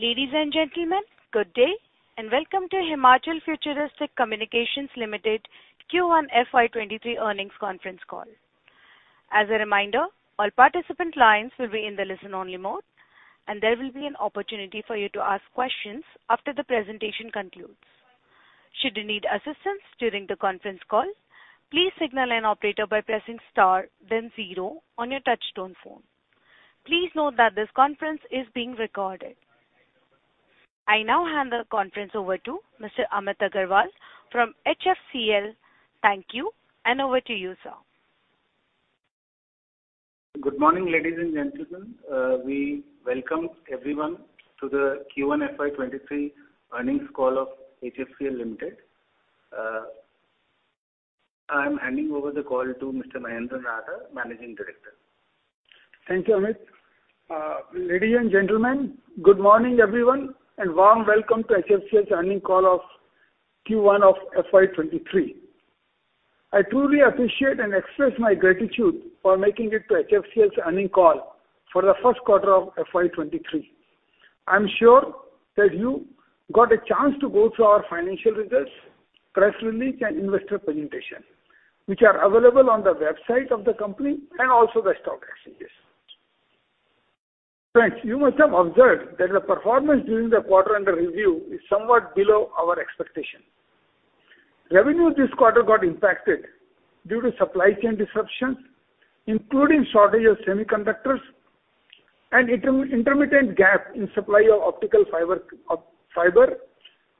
Ladies and gentlemen, good day and welcome to Himachal Futuristic Communications Limited Q1 FY 2023 earnings conference call. As a reminder, all participant lines will be in the listen-only mode, and there will be an opportunity for you to ask questions after the presentation concludes. Should you need assistance during the conference call, please signal an operator by pressing Star then Zero on your touchtone phone. Please note that this conference is being recorded. I now hand the conference over to Mr. Amit Agarwal from HFCL. Thank you, and over to you, sir. Good morning, ladies and gentlemen. We welcome everyone to the Q1 FY 2023 earnings call of HFCL Limited. I'm handing over the call to Mr. Mahendra Nahata, Managing Director. Thank you, Amit. Ladies and gentlemen, good morning, everyone, and warm welcome to HFCL's earnings call of Q1 of FY 2023. I truly appreciate and express my gratitude for making it to HFCL's earnings call for the first quarter of FY 2023. I'm sure that you got a chance to go through our financial results, press release, and investor presentation, which are available on the website of the company and also the stock exchanges. Friends, you must have observed that the performance during the quarter under review is somewhat below our expectation. Revenue this quarter got impacted due to supply chain disruptions, including shortage of semiconductors and intermittent gap in supply of optical fiber,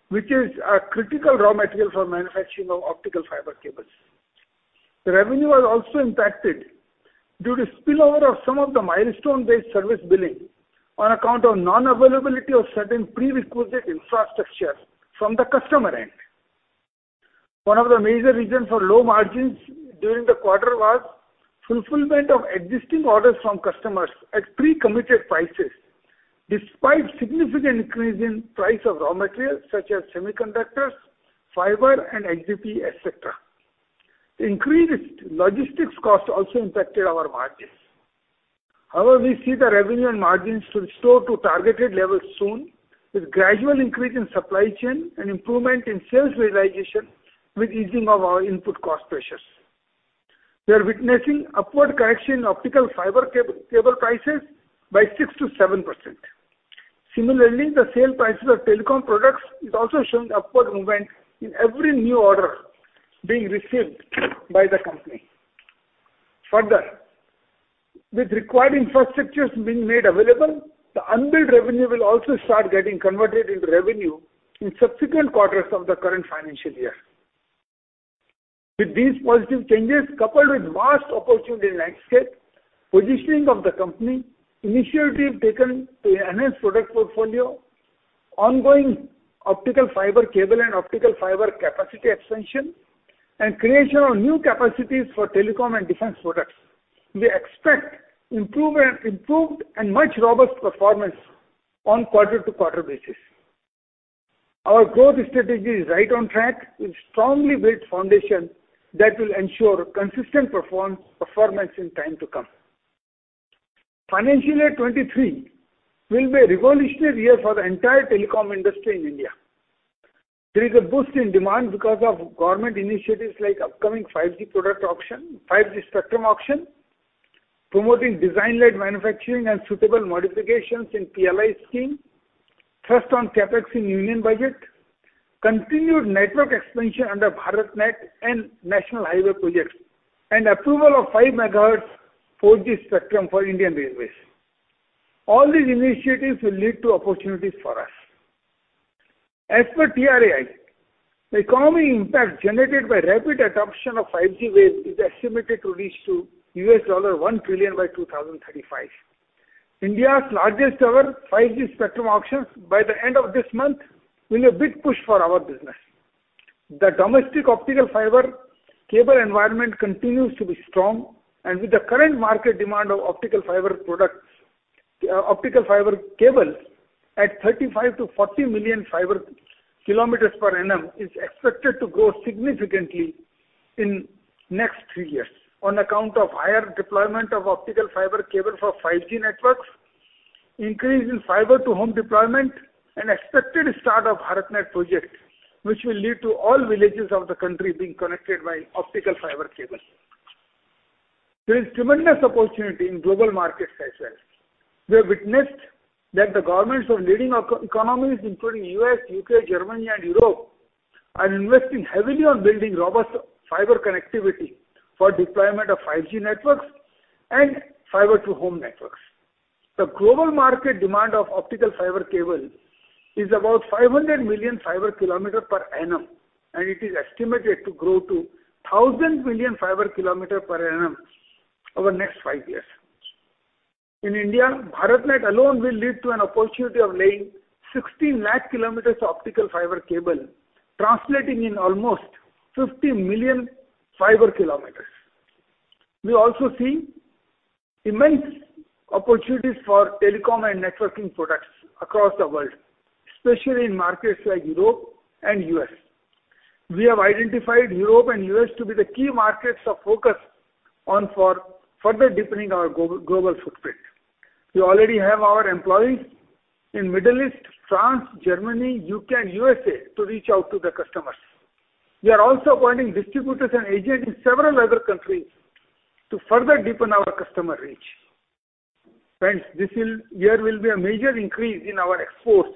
which is a critical raw material for manufacturing of optical fiber cables. The revenue was also impacted due to spillover of some of the milestone-based service billing on account of non-availability of certain prerequisite infrastructure from the customer end. One of the major reasons for low margins during the quarter was fulfillment of existing orders from customers at pre-committed prices despite significant increase in price of raw materials such as semiconductors, fiber, and HDPE, etc. The increased logistics cost also impacted our margins. However, we see the revenue and margins restore to targeted levels soon, with gradual increase in supply chain and improvement in sales realization with easing of our input cost pressures. We are witnessing upward correction in optical fiber cable prices by 6%-7%. Similarly, the sale prices of telecom products is also showing upward movement in every new order being received by the company. Further, with required infrastructures being made available, the unbilled revenue will also start getting converted into revenue in subsequent quarters of the current financial year. With these positive changes, coupled with vast opportunity landscape, positioning of the company, initiatives taken to enhance product portfolio, ongoing optical fiber cable and optical fiber capacity expansion, and creation of new capacities for telecom and defense products, we expect improved and much robust performance on quarter-to-quarter basis. Our growth strategy is right on track with strongly built foundation that will ensure consistent performance in time to come. Financial year 2023 will be a revolutionary year for the entire telecom industry in India. There is a boost in demand because of government initiatives like upcoming 5G product auction, 5G spectrum auction, promoting design-led manufacturing and suitable modifications in PLI scheme, thrust on CapEx in Union Budget, continued network expansion under BharatNet and National Highway projects, and approval of 5 MHz 4G spectrum for Indian Railways. All these initiatives will lead to opportunities for us. As per TRAI, the economic impact generated by rapid adoption of 5G is estimated to reach $1 trillion by 2035. India's largest ever 5G spectrum auctions by the end of this month will be a big push for our business. The domestic optical fiber cable environment continues to be strong, and with the current market demand of optical fiber products, optical fiber cable at 35 million-40 million fiber kilometers per annum is expected to grow significantly in next three years on account of higher deployment of optical fiber cable for 5G networks, increase in fiber to home deployment, and expected start of BharatNet project, which will lead to all villages of the country being connected by optical fiber cable. There is tremendous opportunity in global markets as well. We have witnessed that the governments of leading key economies, including U.S., U.K., Germany, and Europe, are investing heavily on building robust fiber connectivity for deployment of 5G networks and fiber to home networks. The global market demand of optical fiber cable is about 500 million fiber kilometers per annum, and it is estimated to grow to 1,000 million fiber kilometers per annum over next five years. In India, BharatNet alone will lead to an opportunity of laying 16 lakh km of optical fiber cable, translating into almost 50 million fiber kilometers. We also see immense opportunities for telecom and networking products across the world, especially in markets like Europe and U.S. We have identified Europe and U.S. to be the key markets of focus on for further deepening our global footprint. We already have our employees in Middle East, France, Germany, U.K., and U.S.A. to reach out to the customers. We are also appointing distributors and agents in several other countries to further deepen our customer reach. Friends, this will. Year will be a major increase in our exports,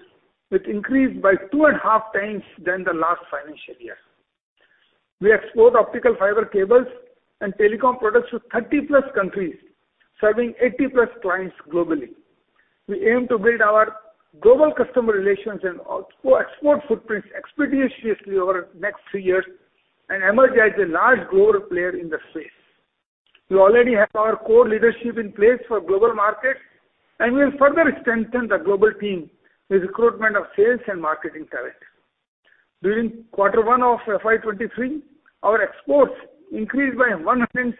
with increase by 2.5x than the last financial year. We export optical fiber cables and telecom products to 30+ countries, serving 80+ clients globally. We aim to build our global customer relations and also export footprints expeditiously over the next three years and emerge as a large global player in the space. We already have our core leadership in place for global markets, and we will further strengthen the global team with recruitment of sales and marketing talent. During Q1 FY 2023, our exports increased by 167%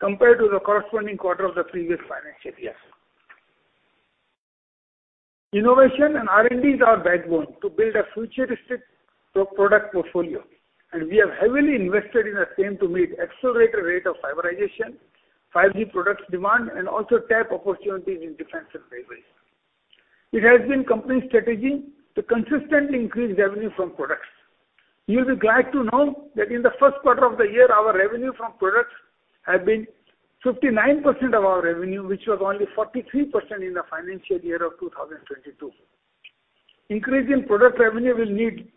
compared to the corresponding quarter of the previous financial year. Innovation and R&D is our backbone to build a futuristic product portfolio, and we have heavily invested in the same to meet accelerated rate of fiberization, 5G products demand, and also tap opportunities in defense and railways. It has been company strategy to consistently increase revenue from products. You'll be glad to know that in the first quarter of the year, our revenue from products have been 59% of our revenue, which was only 43% in the financial year of 2022. Increase in product revenue will need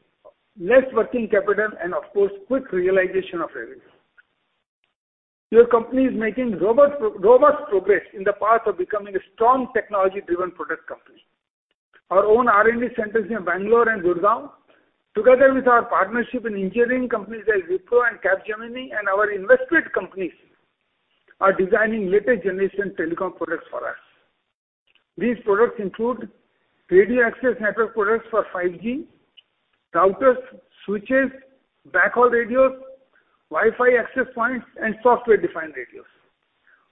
less working capital and of course quick realization of revenue. Your company is making robust progress in the path of becoming a strong technology-driven product company. Our own R&D centers in Bangalore and Gurgaon, together with our partnership in engineering companies like Wipro and Capgemini and our investment companies are designing latest generation telecom products for us. These products include radio access network products for 5G, routers, switches, backhaul radios, Wi-Fi access points, and software-defined radios.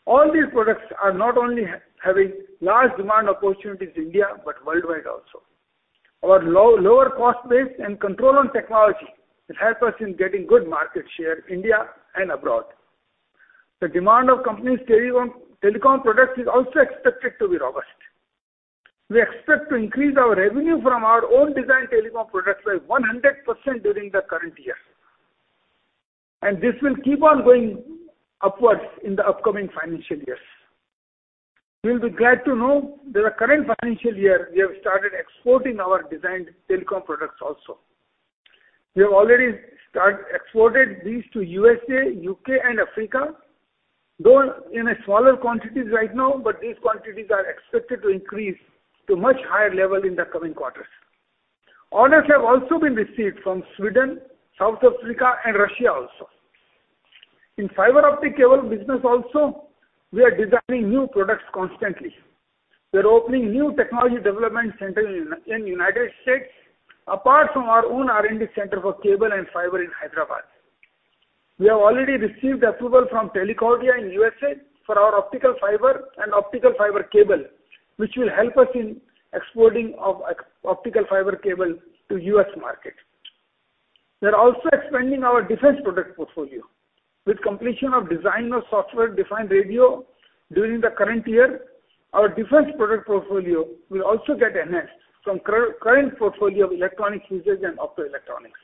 All these products are not only having large demand opportunities in India but worldwide also. Our lower cost base and control on technology will help us in getting good market share India and abroad. The demand of company's telecom products is also expected to be robust. We expect to increase our revenue from our own design telecom products by 100% during the current year, and this will keep on going upwards in the upcoming financial years. You'll be glad to know that the current financial year we have started exporting our designed telecom products also. We have already exported these to U.S.A., U.K., and Africa, though in small quantities right now, but these quantities are expected to increase to much higher level in the coming quarters. Orders have also been received from Sweden, South Africa, and Russia also. In fiber optic cable business also, we are designing new products constantly. We're opening new technology development center in United States, apart from our own R&D center for cable and fiber in Hyderabad. We have already received approval from Telcordia in U.S.A. for our optical fiber and optical fiber cable, which will help us in exporting of optical fiber cable to U.S. market. We're also expanding our defense product portfolio. With completion of design of software-defined radio during the current year, our defense product portfolio will also get enhanced from current portfolio of electronic fuzes and optoelectronics.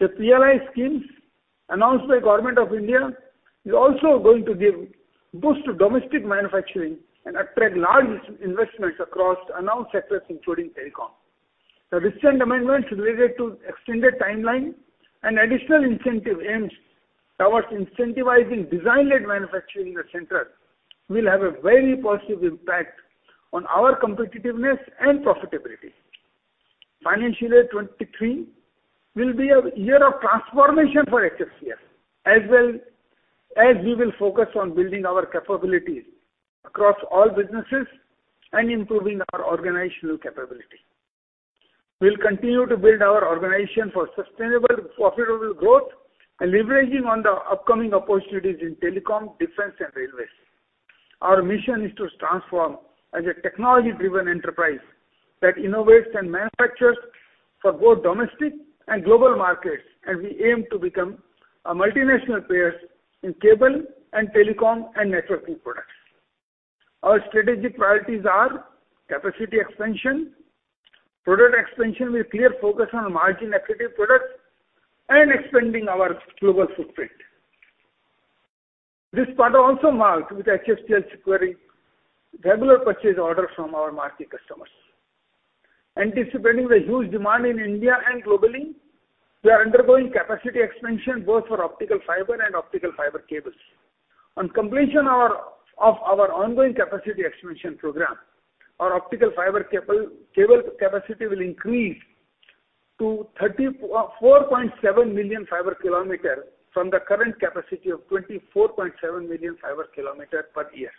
The PLI scheme announced by Government of India is also going to give boost to domestic manufacturing and attract large investments across announced sectors, including telecom. The recent amendments related to extended timeline and additional incentive aims towards incentivizing design and manufacturing in the center will have a very positive impact on our competitiveness and profitability. Financial year 2023 will be a year of transformation for HFCL as well as we will focus on building our capabilities across all businesses and improving our organizational capability. We'll continue to build our organization for sustainable profitable growth and leveraging on the upcoming opportunities in telecom, defense, and railways. Our mission is to transform as a technology-driven enterprise that innovates and manufactures for both domestic and global markets, and we aim to become a multinational players in cable and telecom and networking products. Our strategic priorities are capacity expansion, product expansion with clear focus on margin accretive products, and expanding our global footprint. This quarter also marked with HFCL securing regular purchase orders from our marquee customers. Anticipating the huge demand in India and globally, we are undergoing capacity expansion both for optical fiber and optical fiber cables. On completion of our ongoing capacity expansion program, our optical fiber cable capacity will increase to 34.7 million fiber kilometers from the current capacity of 24.7 million fiber kilometers per year.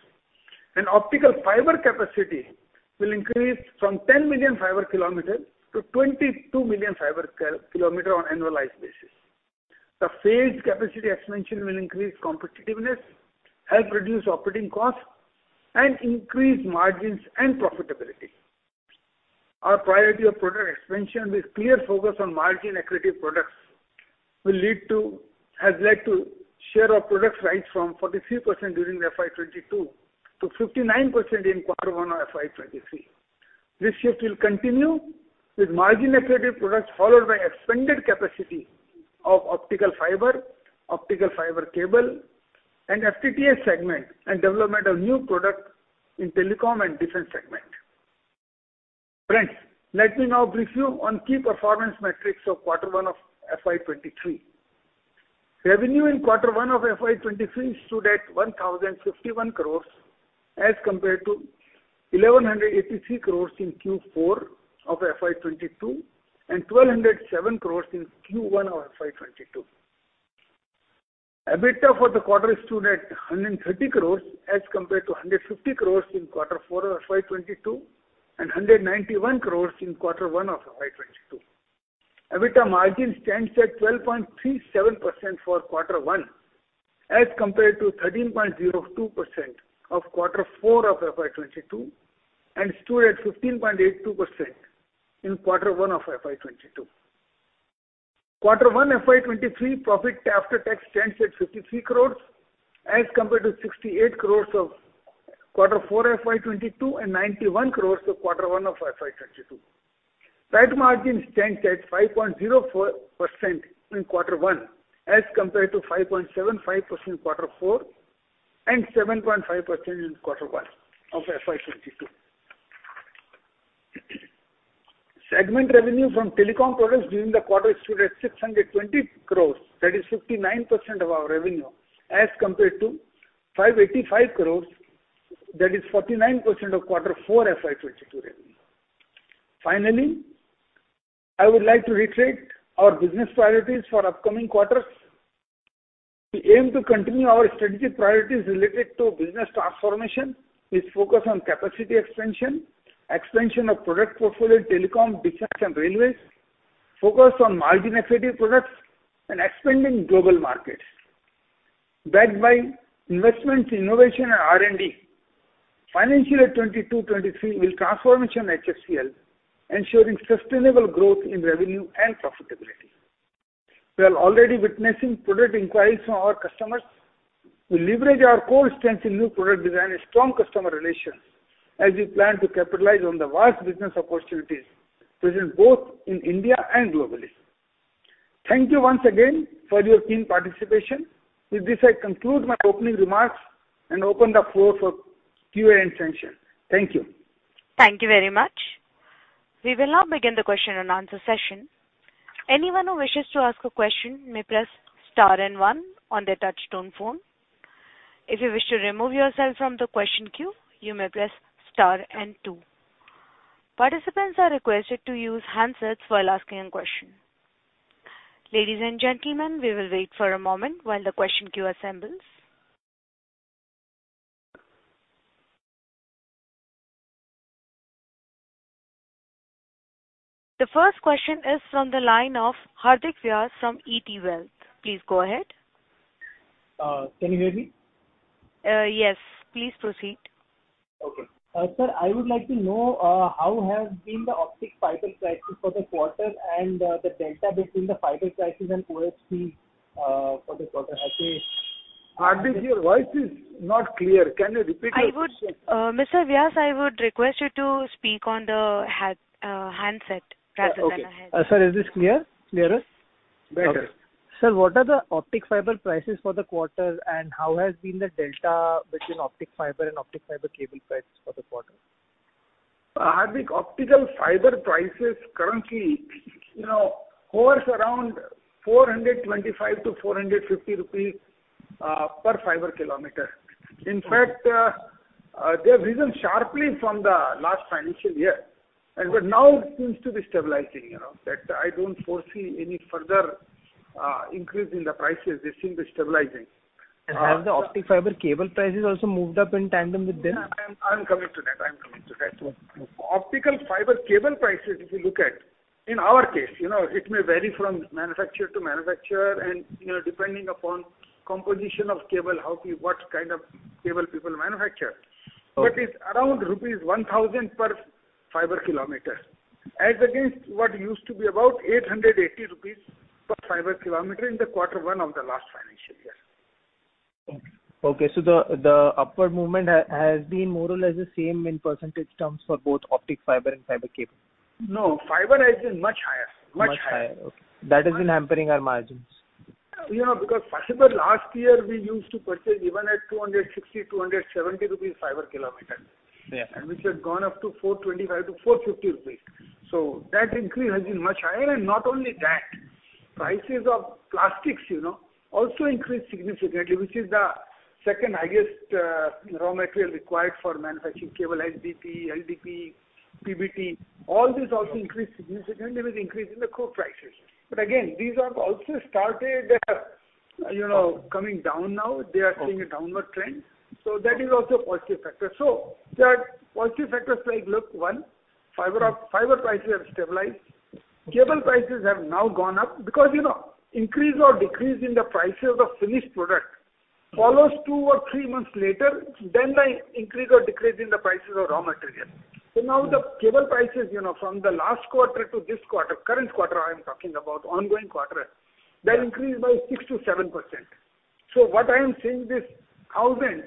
Optical fiber capacity will increase from 10 million fiber kilometers to 22 million fiber kilometers on annualized basis. The phased capacity expansion will increase competitiveness, help reduce operating costs, and increase margins and profitability. Our priority of product expansion with clear focus on margin-accretive products has led to share of products rise from 43% during FY 2022 to 59% in Q1 FY 2023. This shift will continue with margin-accretive products followed by expanded capacity of optical fiber, optical fiber cable and FTTH segment, and development of new product in telecom and defense segment. Friends, let me now brief you on key performance metrics of Q1 FY 2023. Revenue in Q1 FY 2023 stood at 1,051 crores as compared to 1,183 crore in Q4 FY 2022, and 1,207 crore in Q1 FY 2022. EBITDA for the quarter stood at 130 crores as compared to 150 crore in Q1 FY 2022, and INR 191 crore in Q1 of FY 2022. EBITDA margin stands at 12.37% for Q1, as compared to 13.02% of Q4 FY 2022, and stood at 15.82% in Q1 FY 2022. Q1 FY 2023 profit after tax stands at 53 crore as compared to 68 crore of Q4 FY 2022 and 91 crore of Q1 FY 2022. Trade margins stands at 5.04% in Q1, as compared to 5.75% in Q4 and 7.5% in Q1 FY 2022. Segment revenue from telecom products during the quarter stood at 620 crore, that is 59% of our revenue, as compared to 585 crore, that is 49% of Q4 FY 2022 revenue. Finally, I would like to reiterate our business priorities for upcoming quarters. We aim to continue our strategic priorities related to business transformation with focus on capacity expansion of product portfolio, telecom, defense and railways, focus on margin-accretive products, and expanding global markets. Backed by investments, innovation and R&D, financial year 2022-2023 will transform HFCL, ensuring sustainable growth in revenue and profitability. We are already witnessing product inquiries from our customers. We leverage our core strength in new product design and strong customer relations as we plan to capitalize on the vast business opportunities present both in India and globally. Thank you once again for your keen participation. With this, I conclude my opening remarks and open the floor for Q&A session. Thank you. Thank you very much. We will now begin the question and answer session. Anyone who wishes to ask a question may press star and one on their touchtone phone. If you wish to remove yourself from the question queue, you may press star and two. Participants are requested to use handsets while asking a question. Ladies and gentlemen, we will wait for a moment while the question queue assembles. The first question is from the line of Hardik Vyas from ET Wealth. Please go ahead. Can you hear me? Yes. Please proceed. Sir, I would like to know how has been the optical fiber prices for the quarter and the delta between the fiber prices and OFC for the quarter actually. Hardik, your voice is not clear. Can you repeat your question? I would request you to speak on the handset rather than a headset. Okay. Sir, is this clear? Clearer? Better. Sir, what are the optical fiber prices for the quarter and how has been the delta between optical fiber and optical fiber cable prices for the quarter? Hardik, optical fiber prices currently, you know, hovers around 425-450 rupees per fiber kilometers. In fact, they have risen sharply from the last financial year. Now it seems to be stabilizing, you know, that I don't foresee any further increase in the prices. They seem to be stabilizing. Have the optical fiber cable prices also moved up in tandem with them? I'm coming to that. Okay. Optical fiber cable prices, if you look at, in our case, you know, it may vary from manufacturer-to-manufacturer and, you know, depending upon composition of cable, what kind of cable people manufacture. Okay. It's around rupees 1,000 per fiber kilometers, as against what used to be about 880 rupees per fiber kilometers in the Q1 of the last financial year. The upward movement has been more or less the same in percentage terms for both optic fiber and fiber cable. No. Fiber has been much higher. Much higher. Much higher. Okay. That has been hampering our margins. Yeah, because possibly last year we used to purchase even at 260-270 rupees per fiber kilometer. Yeah. Which has gone up to 425-450 rupees. That increase has been much higher, and not only that, prices of plastics, you know, also increased significantly, which is the second highest raw material required for manufacturing cable, HDPE, LDPE, PBT. All these also increased significantly with increase in the crude prices. These have also started, you know, coming down now. They are seeing a downward trend. That is also a positive factor. There are positive factors like, look, one, fiber prices have stabilized. Okay. Cable prices have now gone up because, you know, increase or decrease in the prices of finished product follows two or three months later than the increase or decrease in the prices of raw material. Now the cable prices, you know, from the last quarter to this quarter, current quarter, I am talking about ongoing quarter, they increased by 6%-7%. What I am saying this, thousand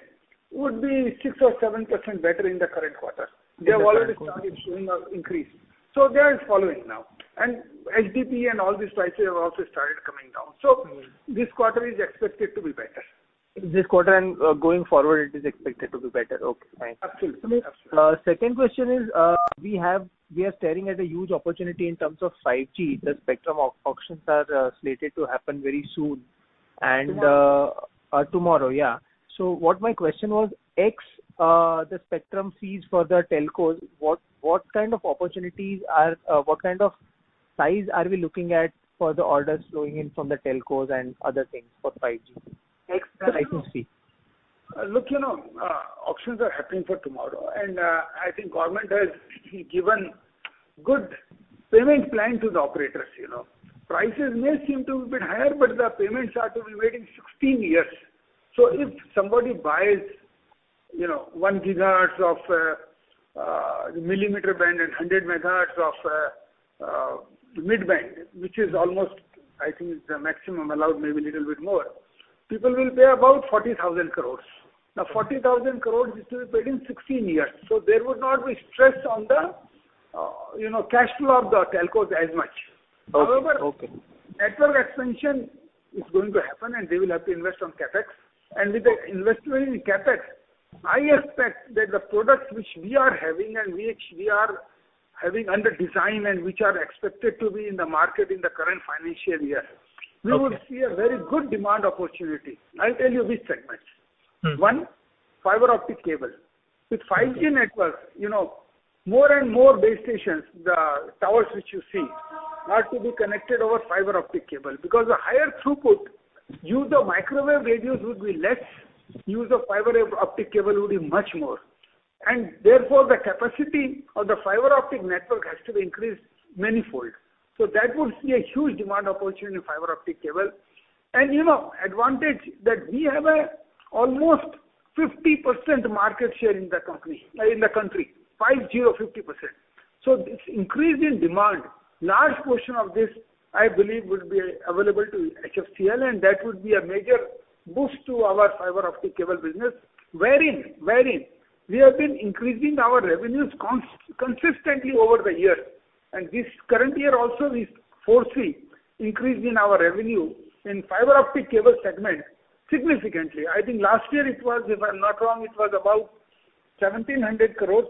would be 6%-7% better in the current quarter. In the current quarter. They have already started showing an increase. There is follow-on now. HDPE and all these prices have also started coming down. Mm-hmm. This quarter is expected to be better. This quarter and going forward, it is expected to be better. Okay, fine. Absolutely. Absolutely. Second question is, we are staring at a huge opportunity in terms of 5G. The spectrum auctions are slated to happen very soon. Tomorrow. Tomorrow, yeah. What my question was, X, the spectrum fees for the telcos, what kind of opportunities are, what kind of size are we looking at for the orders flowing in from the telcos and other things for 5G? Look, you know, auctions are happening for tomorrow, and I think government has given good payment plan to the operators, you know. Prices may seem to be higher, but the payments are to be made in 16 years. If somebody buys, you know, 1 GHz of millimeter band and 100 MHz of mid-band, which is almost, I think, the maximum allowed, maybe a little bit more, people will pay about 40,000 crore. Now 40,000 crore is to be paid in 16 years. There would not be stress on the, you know, cash flow of the telcos as much. Okay. Okay. However, network expansion is going to happen, and they will have to invest in CapEx. With the investment in CapEx, I expect that the products which we are having under design and which are expected to be in the market in the current financial year. Okay. We will see a very good demand opportunity. I'll tell you which segments. Mm-hmm. One, fiber optic cable. With 5G network, you know, more and more base stations, the towers which you see, have to be connected over fiber optic cable because the higher throughput, use of microwave radios would be less, use of fiber optic cable would be much more. Therefore, the capacity of the fiber optic network has to be increased manifold. That would see a huge demand opportunity in fiber optic cable. You know, advantage that we have, almost 50% market share in the country, 50%. This increase in demand, large portion of this, I believe, will be available to HFCL, and that would be a major boost to our fiber optic cable business, wherein we have been increasing our revenues consistently over the years. This current year also, we foresee increase in our revenue in fiber optic cable segment significantly. I think last year it was, if I'm not wrong, it was about 1,700 crore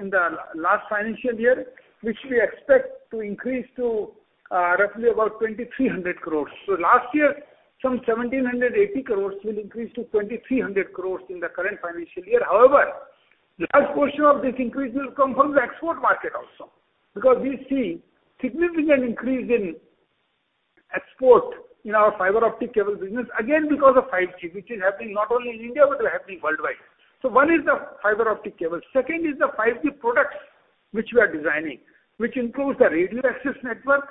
in the last financial year, which we expect to increase to roughly about 2,300 crore. Last year, from 1,780 crore, we will increase to 2,300 crore in the current financial year. However, large portion of this increase will come from the export market also. Because we see significant increase in export in our fiber optic cable business, again, because of 5G, which is happening not only in India, but happening worldwide. One is the fiber optic cable. Second is the 5G products which we are designing, which includes the radio access network,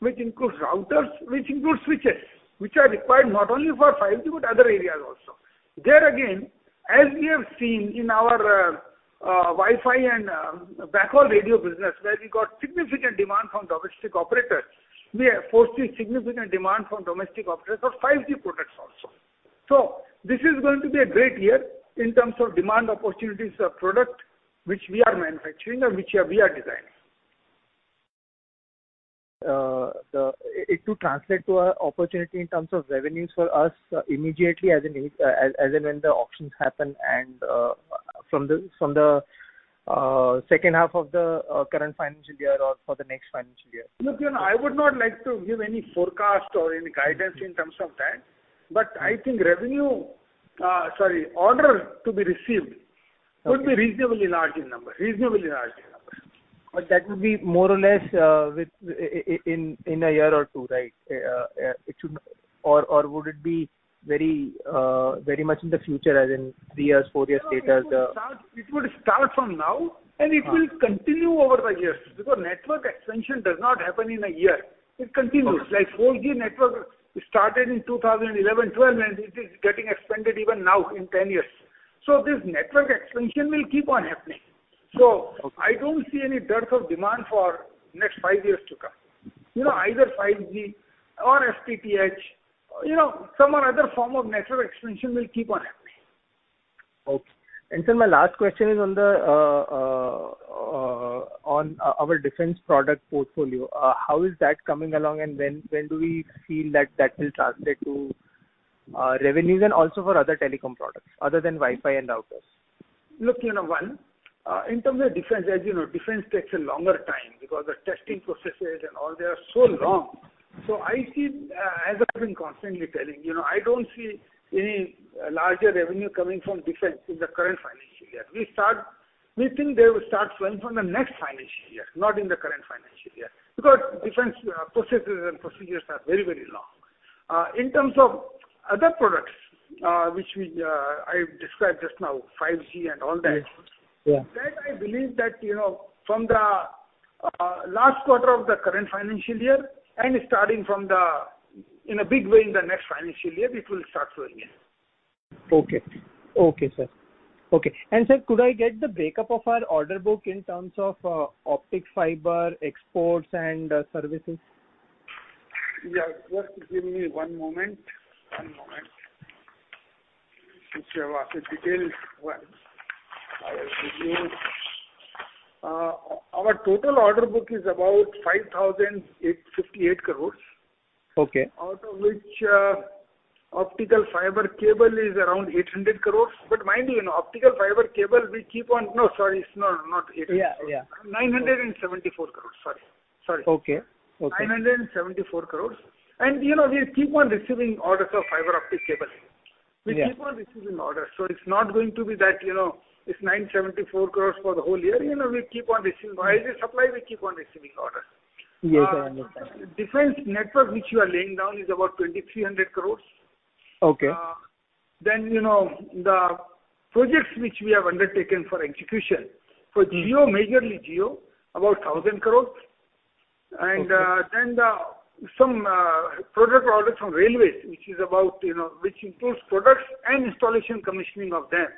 which includes routers, which includes switches, which are required not only for 5G, but other areas also. There again, as we have seen in our Wi-Fi and backhaul radio business, where we got significant demand from domestic operators, we foresee significant demand from domestic operators for 5G products also. This is going to be a great year in terms of demand opportunities of product which we are manufacturing and which we are designing. To translate to a opportunity in terms of revenues for us immediately as in when the auctions happen and from the second half of the current financial year or for the next financial year. Look, you know, I would not like to give any forecast or any guidance in terms of that, but I think revenue, sorry, order to be received. Okay. would be reasonably large in number. That would be more or less within a year or two, right? Would it be very much in the future as in three years, four years later? It would start from now, and it will continue over the years, because network expansion does not happen in a year. It continues. Okay. Like 4G network started in 2011-2012, and it is getting expanded even now in 10 years. This network expansion will keep on happening. Okay. I don't see any dearth of demand for next five years to come. You know, either 5G or FTTH, you know, some other form of network expansion will keep on happening. Okay. Sir, my last question is on our defense product portfolio. How is that coming along, and when do we feel that will translate to revenues and also for other telecom products other than Wi-Fi and routers? Look, you know, one, in terms of defense, as you know, defense takes a longer time because the testing processes and all, they are so long. I see, as I've been constantly telling you know, I don't see any larger revenue coming from defense in the current financial year. We think they will start flowing from the next financial year. Not in the current financial year, because defense, processes and procedures are very, very long. In terms of other products, which we, I described just now, 5G and all that. Yes. Yeah. I believe that, you know, from the last quarter of the current financial year and starting from, in a big way, in the next financial year, it will start flowing in. Okay, sir. Could I get the breakdown of our order book in terms of optical fiber exports and services? Just give me one moment. Since you have asked the details. Our total order book is about 5,058 crores. Okay. Out of which, optical fiber cable is around 800 crores. Mind you know, optical fiber cable. No, sorry, it's not 800 crores. Yeah, yeah. 974 crore. Sorry. Okay. 974 crores. You know, we keep on receiving orders of fiber optic cable. Yeah. We keep on receiving orders, so it's not going to be that, you know, it's 974 crore for the whole year. You know, we keep on receiving. While we supply, we keep on receiving orders. Yes, I understand. Defense network, which you are laying down, is about 2,300 crore. Okay. You know, the projects which we have undertaken for execution. Mm-hmm. For Jio, majorly Jio, about 1,000 crores. Okay. Some product orders from Indian Railways, which is about, you know, which includes products and installation commissioning of them.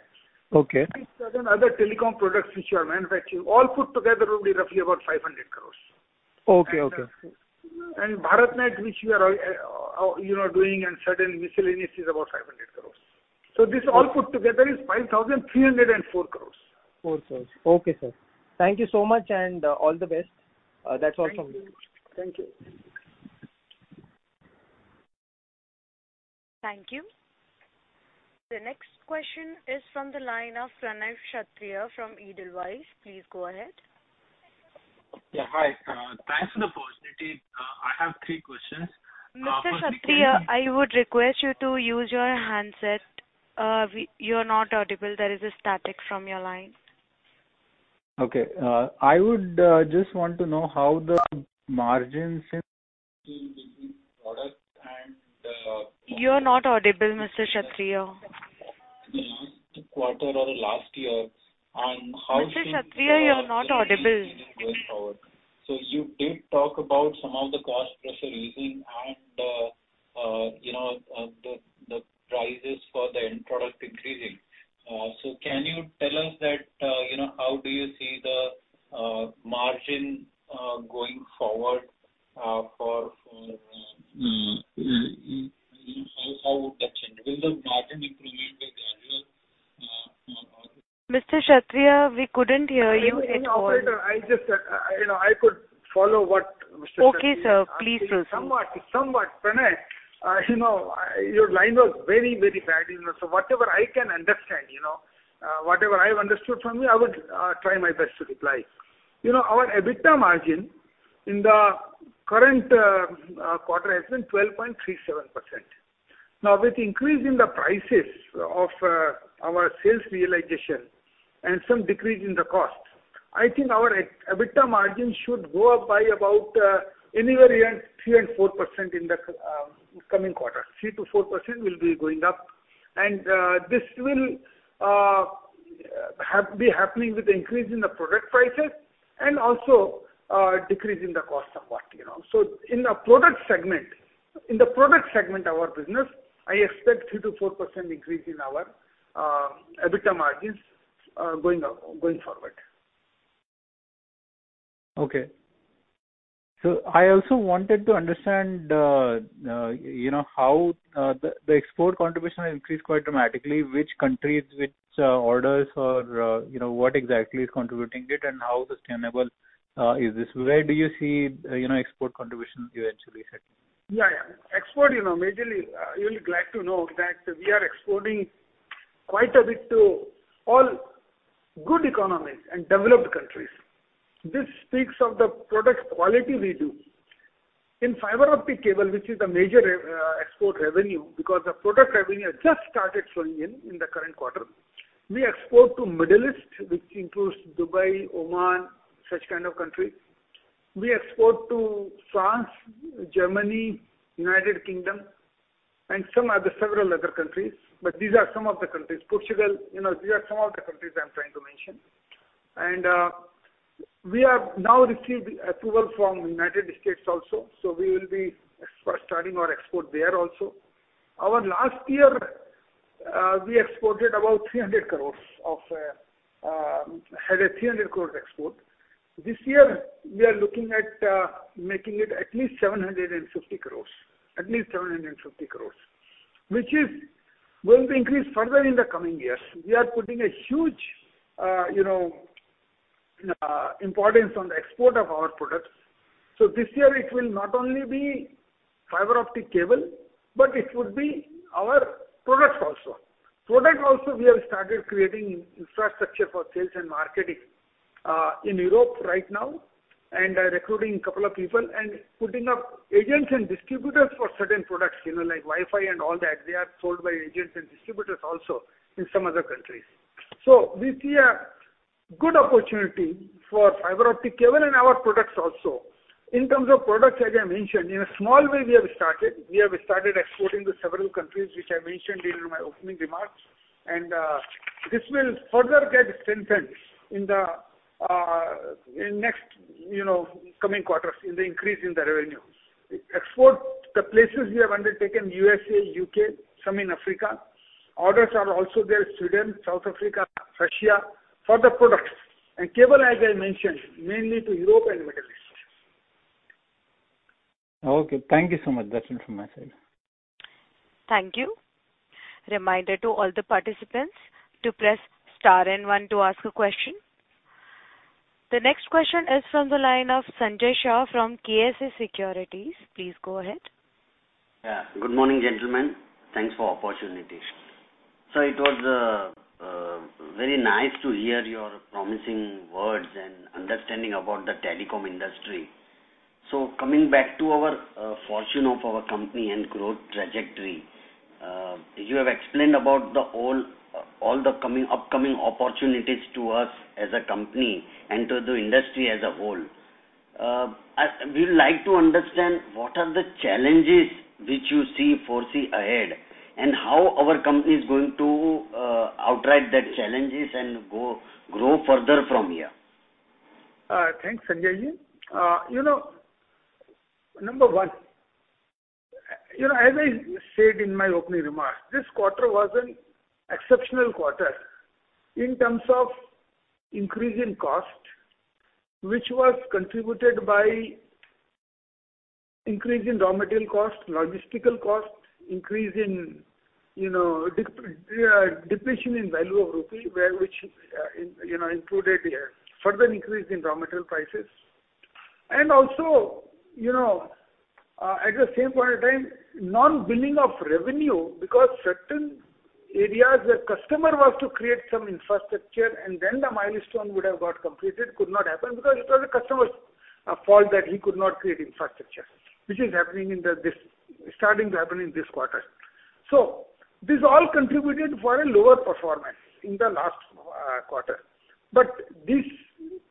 Okay. Certain other telecom products which we are manufacturing, all put together will be roughly about 500 crore. Okay. BharatNet, which we are doing and certain miscellaneous is about 500 crore. This all put together is 5,304 crore. 4 crore. Okay, sir. Thank you so much and all the best. That's all from me. Thank you. Thank you. Thank you. The next question is from the line of Pranav Kshatriya from Edelweiss. Please go ahead. Yeah. Hi. Thanks for the opportunity. I have three questions. Firstly- Mr. Kshatriya, I would request you to use your handset. You're not audible. There is a static from your line. Okay. I would just want to know how the margins in between product and You're not audible, Mr. Kshatriya. The last quarter or last year, and how things are. Mr. Kshatriya, you're not audible. Going forward. You did talk about some of the cost pressure easing and, you know, the prices for the end product increasing. Can you tell us that, you know, how do you see the margin going forward, for how would that change? Will the margin improvement be gradual, or- Mr. Kshatriya, we couldn't hear you at all. Hello. Operator, I just, you know, I could follow what Mr. Kshatriya- Okay, sir. Please do. Somewhat, Pranav. You know, your line was very bad. You know, so whatever I can understand, you know, whatever I've understood from you, I would try my best to reply. You know, our EBITDA margin in the current quarter has been 12.37%. Now, with increase in the prices of our sales realization and some decrease in the cost, I think our EBITDA margin should go up by about anywhere around 3%-4% in the coming quarter. 3%-4% will be going up. This will be happening with the increase in the product prices and also decrease in the cost of what, you know. In the product segment of our business, I expect 3%-4% increase in our EBITDA margins, going up, going forward. Okay. I also wanted to understand, you know, how the export contribution increased quite dramatically. Which countries, which orders or, you know, what exactly is contributing it and how sustainable is this? Where do you see, you know, export contribution eventually settling? Yeah, yeah. Export, you know, majorly, you'll be glad to know that we are exporting quite a bit to all good economies and developed countries. This speaks of the product quality we do. In fiber optic cable, which is the major export revenue, because the product revenue has just started flowing in the current quarter. We export to Middle East, which includes Dubai, Oman, such kind of countries. We export to France, Germany, United Kingdom and several other countries, but these are some of the countries. Portugal, you know, these are some of the countries I'm trying to mention. We have now received approval from United States also, so we will be starting our export there also. Our last year, we exported about 300 crore. This year we are looking at making it at least 750 crore, which is going to increase further in the coming years. We are putting a huge, you know, importance on the export of our products. This year it will not only be fiber optic cable, but it would be our products also. Product also we have started creating infrastructure for sales and marketing in Europe right now, and are recruiting couple of people and putting up agents and distributors for certain products, you know, like Wi-Fi and all that. They are sold by agents and distributors also in some other countries. Good opportunity for fiber optic cable and our products also. In terms of products, as I mentioned, in a small way we have started. We have started exporting to several countries, which I mentioned in my opening remarks, and this will further get strengthened in the next coming quarters in the increase in the revenue. Export, the places we have undertaken U.S.A., U.K., some in Africa. Orders are also there, Sweden, South Africa, Russia, for the products. Cable, as I mentioned, mainly to Europe and Middle East. Okay. Thank you so much. That's it from my side. Thank you. Reminder to all the participants to press star and one to ask a question. The next question is from the line of Sanjay Shah from KSA Securities. Please go ahead. Good morning, gentlemen. Thanks for opportunity. It was very nice to hear your promising words and understanding about the telecom industry. Coming back to our future of our company and growth trajectory, you have explained about all the coming, upcoming opportunities to us as a company and to the industry as a whole. We'd like to understand what are the challenges which you foresee ahead and how our company is going to overcome those challenges and grow further from here. Thanks, Sanjay. You know, number one, you know, as I said in my opening remarks, this quarter was an exceptional quarter in terms of increase in cost, which was contributed by increase in raw material cost, logistical cost, increase in, you know, depreciation in value of rupee which, you know, included a further increase in raw material prices. Also, you know, at the same point of time, non-billing of revenue because certain areas where customer was to create some infrastructure and then the milestone would have got completed could not happen because it was a customer's fault that he could not create infrastructure, which is starting to happen in this quarter. This all contributed for a lower performance in the last quarter. This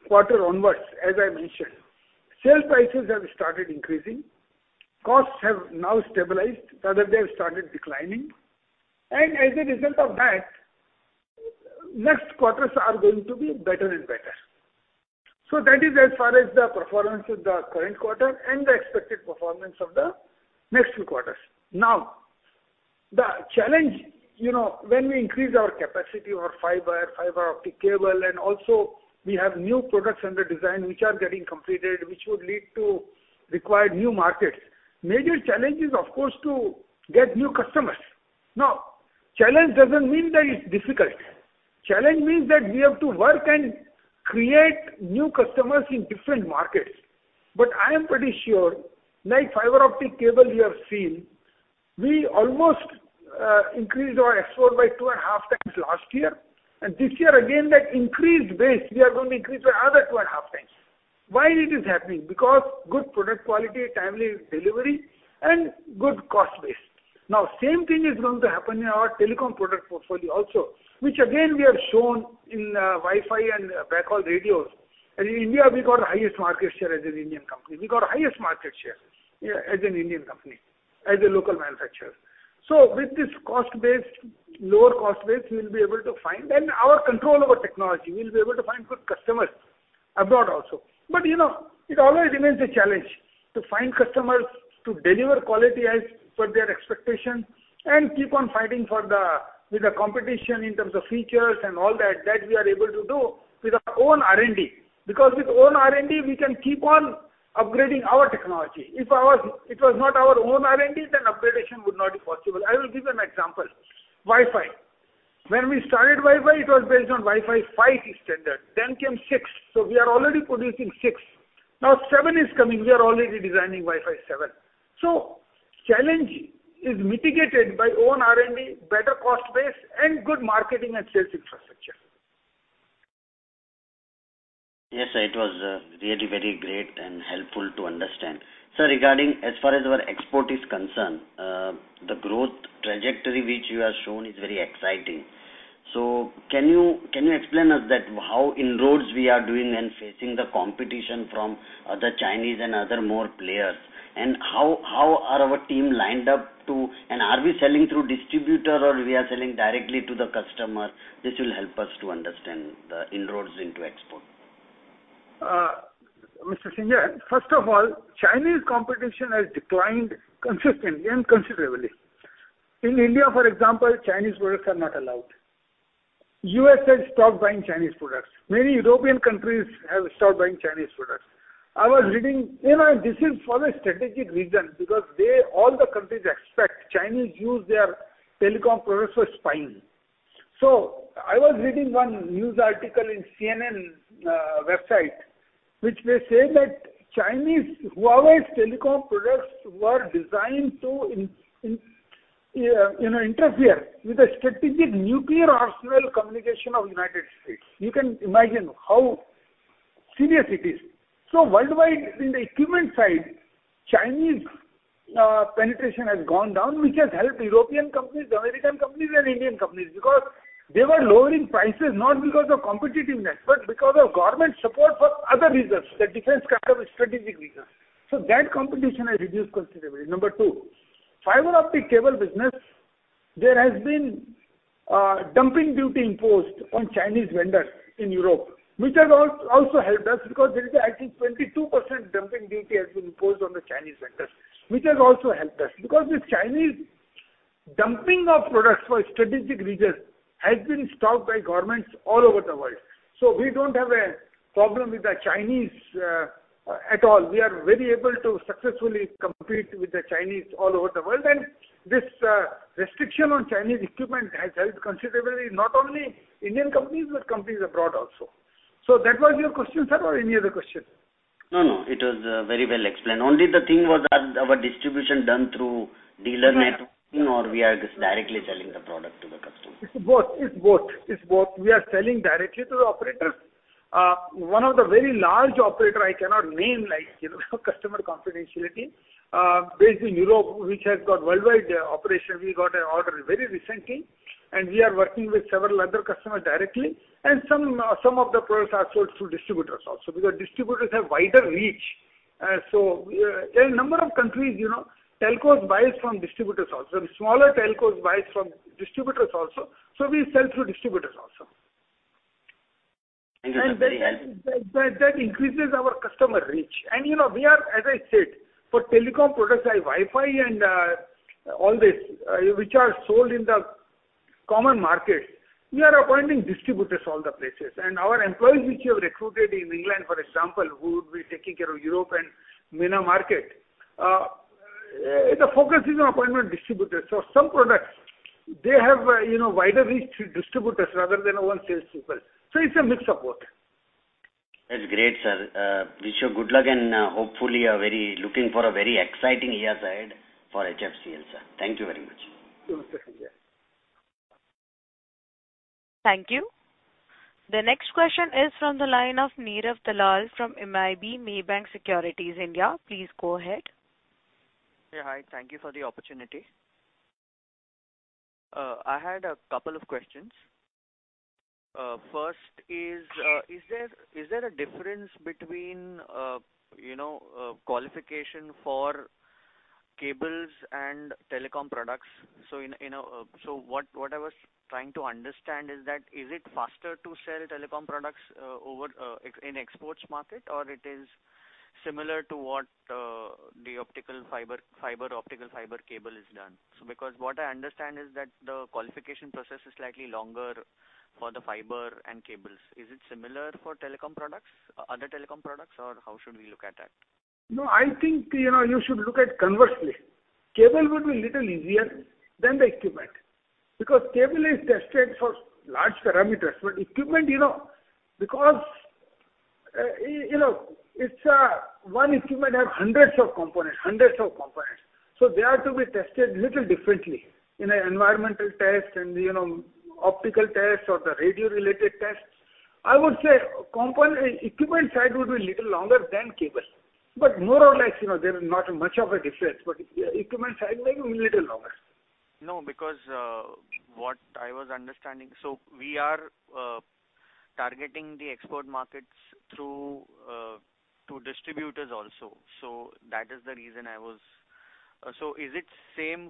quarter onwards, as I mentioned, sale prices have started increasing. Costs have now stabilized, rather they have started declining. As a result of that, next quarters are going to be better and better. That is as far as the performance of the current quarter and the expected performance of the next two quarters. Now, the challenge, you know, when we increase our capacity or fiber optic cable, and also we have new products under design which are getting completed, which would lead to require new markets, major challenge is, of course, to get new customers. Now, challenge doesn't mean that it's difficult. Challenge means that we have to work and create new customers in different markets. I am pretty sure, like fiber optic cable you have seen, we almost increased our export by 2.5x last year. This year again, that increased base, we are going to increase by another 2.5x. Why it is happening? Because good product quality, timely delivery and good cost base. Now, same thing is going to happen in our telecom product portfolio also, which again, we have shown in Wi-Fi and backhaul radios. In India, we got the highest market share as an Indian company, as a local manufacturer. With this lower cost base and our control over technology, we'll be able to find good customers abroad also. You know, it always remains a challenge to find customers, to deliver quality as per their expectation and keep on fighting with the competition in terms of features and all that. That we are able to do with our own R&D, because with own R&D, we can keep on upgrading our technology. If it was not our own R&D, then upgradation would not be possible. I will give you an example. Wi-Fi. When we started Wi-Fi, it was based on Wi-Fi 5 standard, then came Wi-Fi 6. We are already producing Wi-Fi 6. NowWi-Fi 7 is coming, we are already designing Wi-Fi 7. Challenge is mitigated by own R&D, better cost base and good marketing and sales infrastructure. Yes, it was really very great and helpful to understand. Sir, regarding as far as our export is concerned, the growth trajectory which you have shown is very exciting. Can you explain us that how inroads we are doing and facing the competition from other Chinese and other more players? How are our team lined up to. Are we selling through distributor or we are selling directly to the customer? This will help us to understand the inroads into export. Mr. Sanjay, first of all, Chinese competition has declined consistently and considerably. In India, for example, Chinese products are not allowed. U.S. has stopped buying Chinese products. Many European countries have stopped buying Chinese products. I was reading, you know, this is for a strategic reason because they, all the countries suspect Chinese use their telecom products for spying. I was reading one news article in CNN website, which was saying that Chinese Huawei's telecom products were designed to, you know, interfere with the strategic nuclear arsenal communication of United States. You can imagine how serious it is. Worldwide in the equipment side, Chinese penetration has gone down, which has helped European companies, American companies and Indian companies, because they were lowering prices not because of competitiveness, but because of government support for other reasons, the defense kind of strategic reasons. That competition has reduced considerably. Number two, fiber optic cable business, there has been dumping duty imposed on Chinese vendors in Europe, which has also helped us because there is, I think 22% dumping duty has been imposed on the Chinese vendors, which has also helped us because this Chinese dumping of products for strategic reasons has been stopped by governments all over the world. We don't have a problem with the Chinese at all. We are very able to successfully compete with the Chinese all over the world. This restriction on Chinese equipment has helped considerably, not only Indian companies, but companies abroad also. That was your question, sir, or any other question? No, no, it was very well explained. Only the thing was that our distribution done through dealer network or we are just directly selling the product to the customer. It's both. We are selling directly to the operators. One of the very large operator I cannot name, like, you know, customer confidentiality, based in Europe, which has got worldwide operation. We got an order very recently, and we are working with several other customers directly. Some of the products are sold through distributors also, because distributors have wider reach. In number of countries, you know, telcos buys from distributors also, smaller telcos buys from distributors also. We sell through distributors also. Thank you, sir. That increases our customer reach. You know, we are, as I said, for telecom products like Wi-Fi and all this, which are sold in the common market, we are appointing distributors all the places. Our employees which we have recruited in England, for example, who would be taking care of Europe and MENA market, the focus is on appointment distributors. Some products they have, you know, wider reach to distributors rather than one sales people. It's a mix of both. That's great, sir. Wish you good luck and hopefully looking for a very exciting year ahead for HFCL, sir. Thank you very much. Most welcome. Yes. Thank you. The next question is from the line of Neeraj Talal from MIB Maybank Securities, India. Please go ahead. Yeah, hi. Thank you for the opportunity. I had a couple of questions. First is there a difference between, you know, qualification for cables and telecom products? What I was trying to understand is that, is it faster to sell telecom products over in exports market or it is similar to what the optical fiber cable is done? Because what I understand is that the qualification process is slightly longer for the fiber and cables. Is it similar for telecom products, other telecom products, or how should we look at that? No, I think, you know, you should look at conversely. Cable would be little easier than the equipment because cable is tested for large parameters. Equipment, you know, because, you know, it's, one equipment have hundreds of components, so they are to be tested little differently in an environmental test and, you know, optical test or the radio related tests. I would say equipment side would be little longer than cable, but more or less, you know, there is not much of a difference. Equipment side may be little longer. No, because what I was understanding, so we are targeting the export markets through to distributors also. That is the reason. Is it same?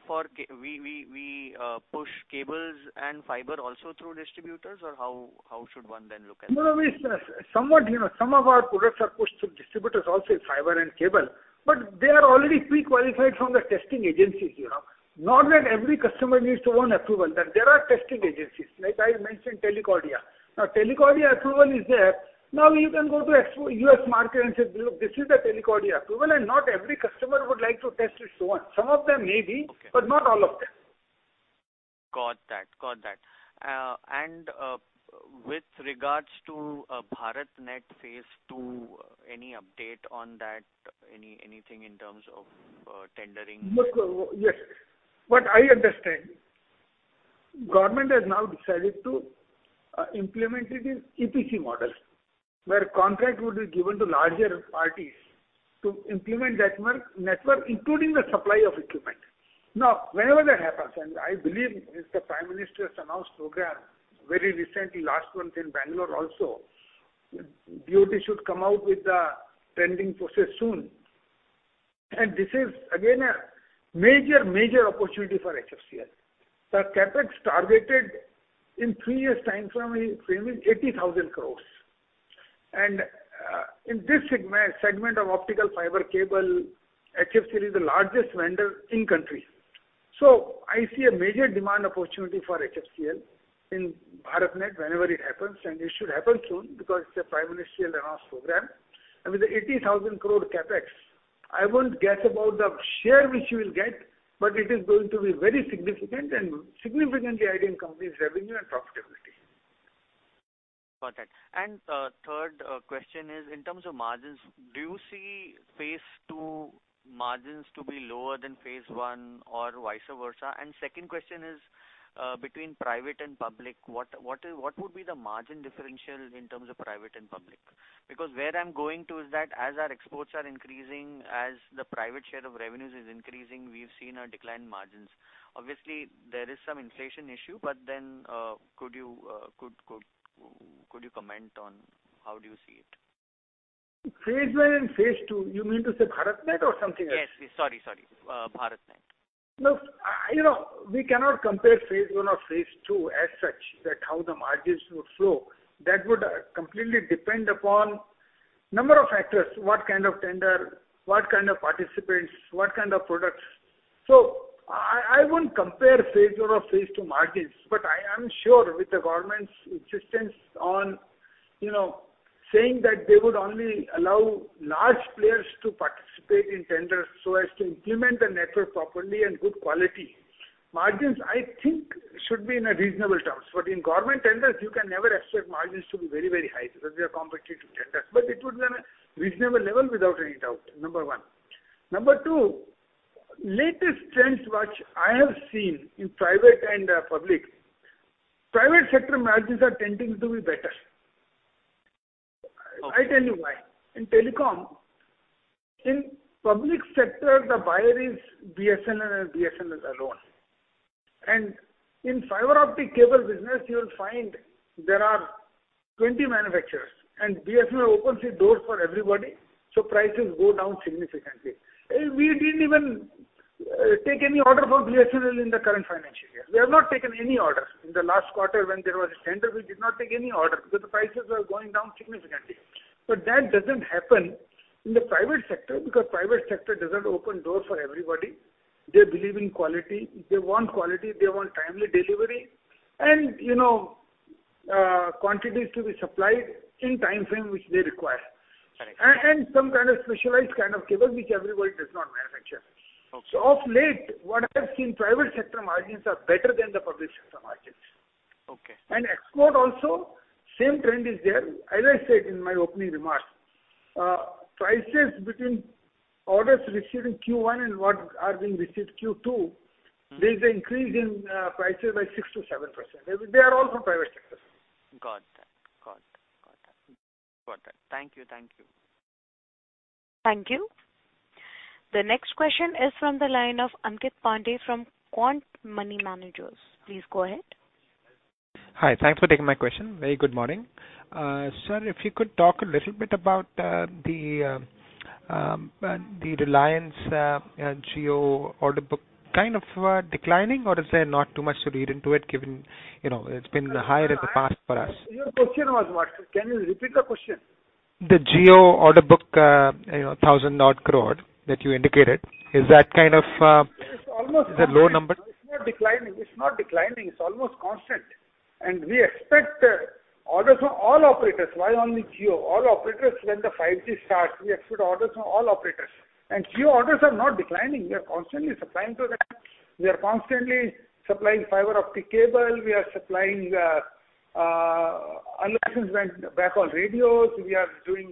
We push cables and fiber also through distributors or how should one then look at that? No, no. Some of you know, some of our products are pushed through distributors also in fiber and cable, but they are already pre-qualified from the testing agencies, you know. Not that every customer needs to own approval. There are testing agencies, like I mentioned, Telcordia. Now Telcordia approval is there. Now you can go to U.S. market and say, "Look, this is the Telcordia approval." Not every customer would like to test it so on. Some of them may be. Okay. Not all of them. Got that. With regards to BharatNet Phase II, any update on that? Anything in terms of tendering? Look, yes. What I understand, government has now decided to implement it in EPC model, where contract would be given to larger parties to implement that network, including the supply of equipment. Whenever that happens, I believe Prime Minister has announced program very recently, last month in Bangalore also. DoT should come out with the tendering process soon. This is again a major opportunity for HFCL. The CapEx targeted in three-year time frame is 80,000 crore. In this segment of optical fiber cable, HFCL is the largest vendor in country. I see a major demand opportunity for HFCL in BharatNet whenever it happens. It should happen soon because it's a prime ministerially announced program. With the 80,000 crore CapEx, I won't guess about the share which we will get, but it is going to be very significant and significantly add in company's revenue and profitability. Got that. Third question is in terms of margins, do you see Phase II margins to be lower than Phase I or vice versa. Second question is, between private and public, what would be the margin differential in terms of private and public? Because where I'm going to is that as our exports are increasing, as the private share of revenues is increasing, we've seen a decline in margins. Obviously, there is some inflation issue, but then, could you comment on how do you see it? Phase one and phase two, you mean to say BharatNet or something else? Yes. Sorry. BharatNet. Look, I, you know, we cannot compare Phase I or Phase II as such, that how the margins would flow. That would completely depend upon number of factors, what kind of tender, what kind of participants, what kind of products. I won't compare Phase I or Phase II margins, but I am sure with the government's insistence on, you know, saying that they would only allow large players to participate in tenders so as to implement the network properly and good quality. Margins, I think, should be in a reasonable terms. In government tenders, you can never expect margins to be very, very high because they are competitive tenders. It would be on a reasonable level without any doubt, number one. Number two, latest trends which I have seen in private and public-private sector margins are tending to be better. Okay. I tell you why. In telecom, in public sector, the buyer is BSNL, and BSNL alone. In fiber optic cable business, you'll find there are 20 manufacturers, and BSNL opens the door for everybody, so prices go down significantly. We didn't even take any order for BSNL in the current financial year. We have not taken any order. In the last quarter when there was a tender, we did not take any order because the prices were going down significantly. That doesn't happen in the private sector because private sector doesn't open door for everybody. They believe in quality. They want quality. They want timely delivery and, you know, quantities to be supplied in time frame which they require. Correct. Some kind of specialized kind of cable which everybody does not manufacture. Okay. Of late, what I've seen, private-sector margins are better than the public-sector margins. Okay. Export also, same trend is there. As I said in my opening remarks, prices between orders received in Q1 and what are being received Q2. Mm-hmm. There's a increase in prices by 6%-7%. They are all from private sectors. Got that. Thank you. Thank you. The next question is from the line of Ankit Pande from Quant Money Managers. Please go ahead. Hi. Thanks for taking my question. Very good morning. Sir, if you could talk a little bit about the Reliance Jio order book kind of declining or is there not too much to read into it given, you know, it's been higher in the past for us? Your question was what? Can you repeat the question? The Jio order book, you know, 1,000-odd crore that you indicated, is that kind of? It's almost. Is a low number? It's not declining. It's almost constant. We expect orders from all operators. Why only Jio? All operators when the 5G starts, we expect orders from all operators. Jio orders are not declining. We are constantly supplying to them. We are constantly supplying fiber optic cable. We are supplying unlicensed band backhaul radios. We are doing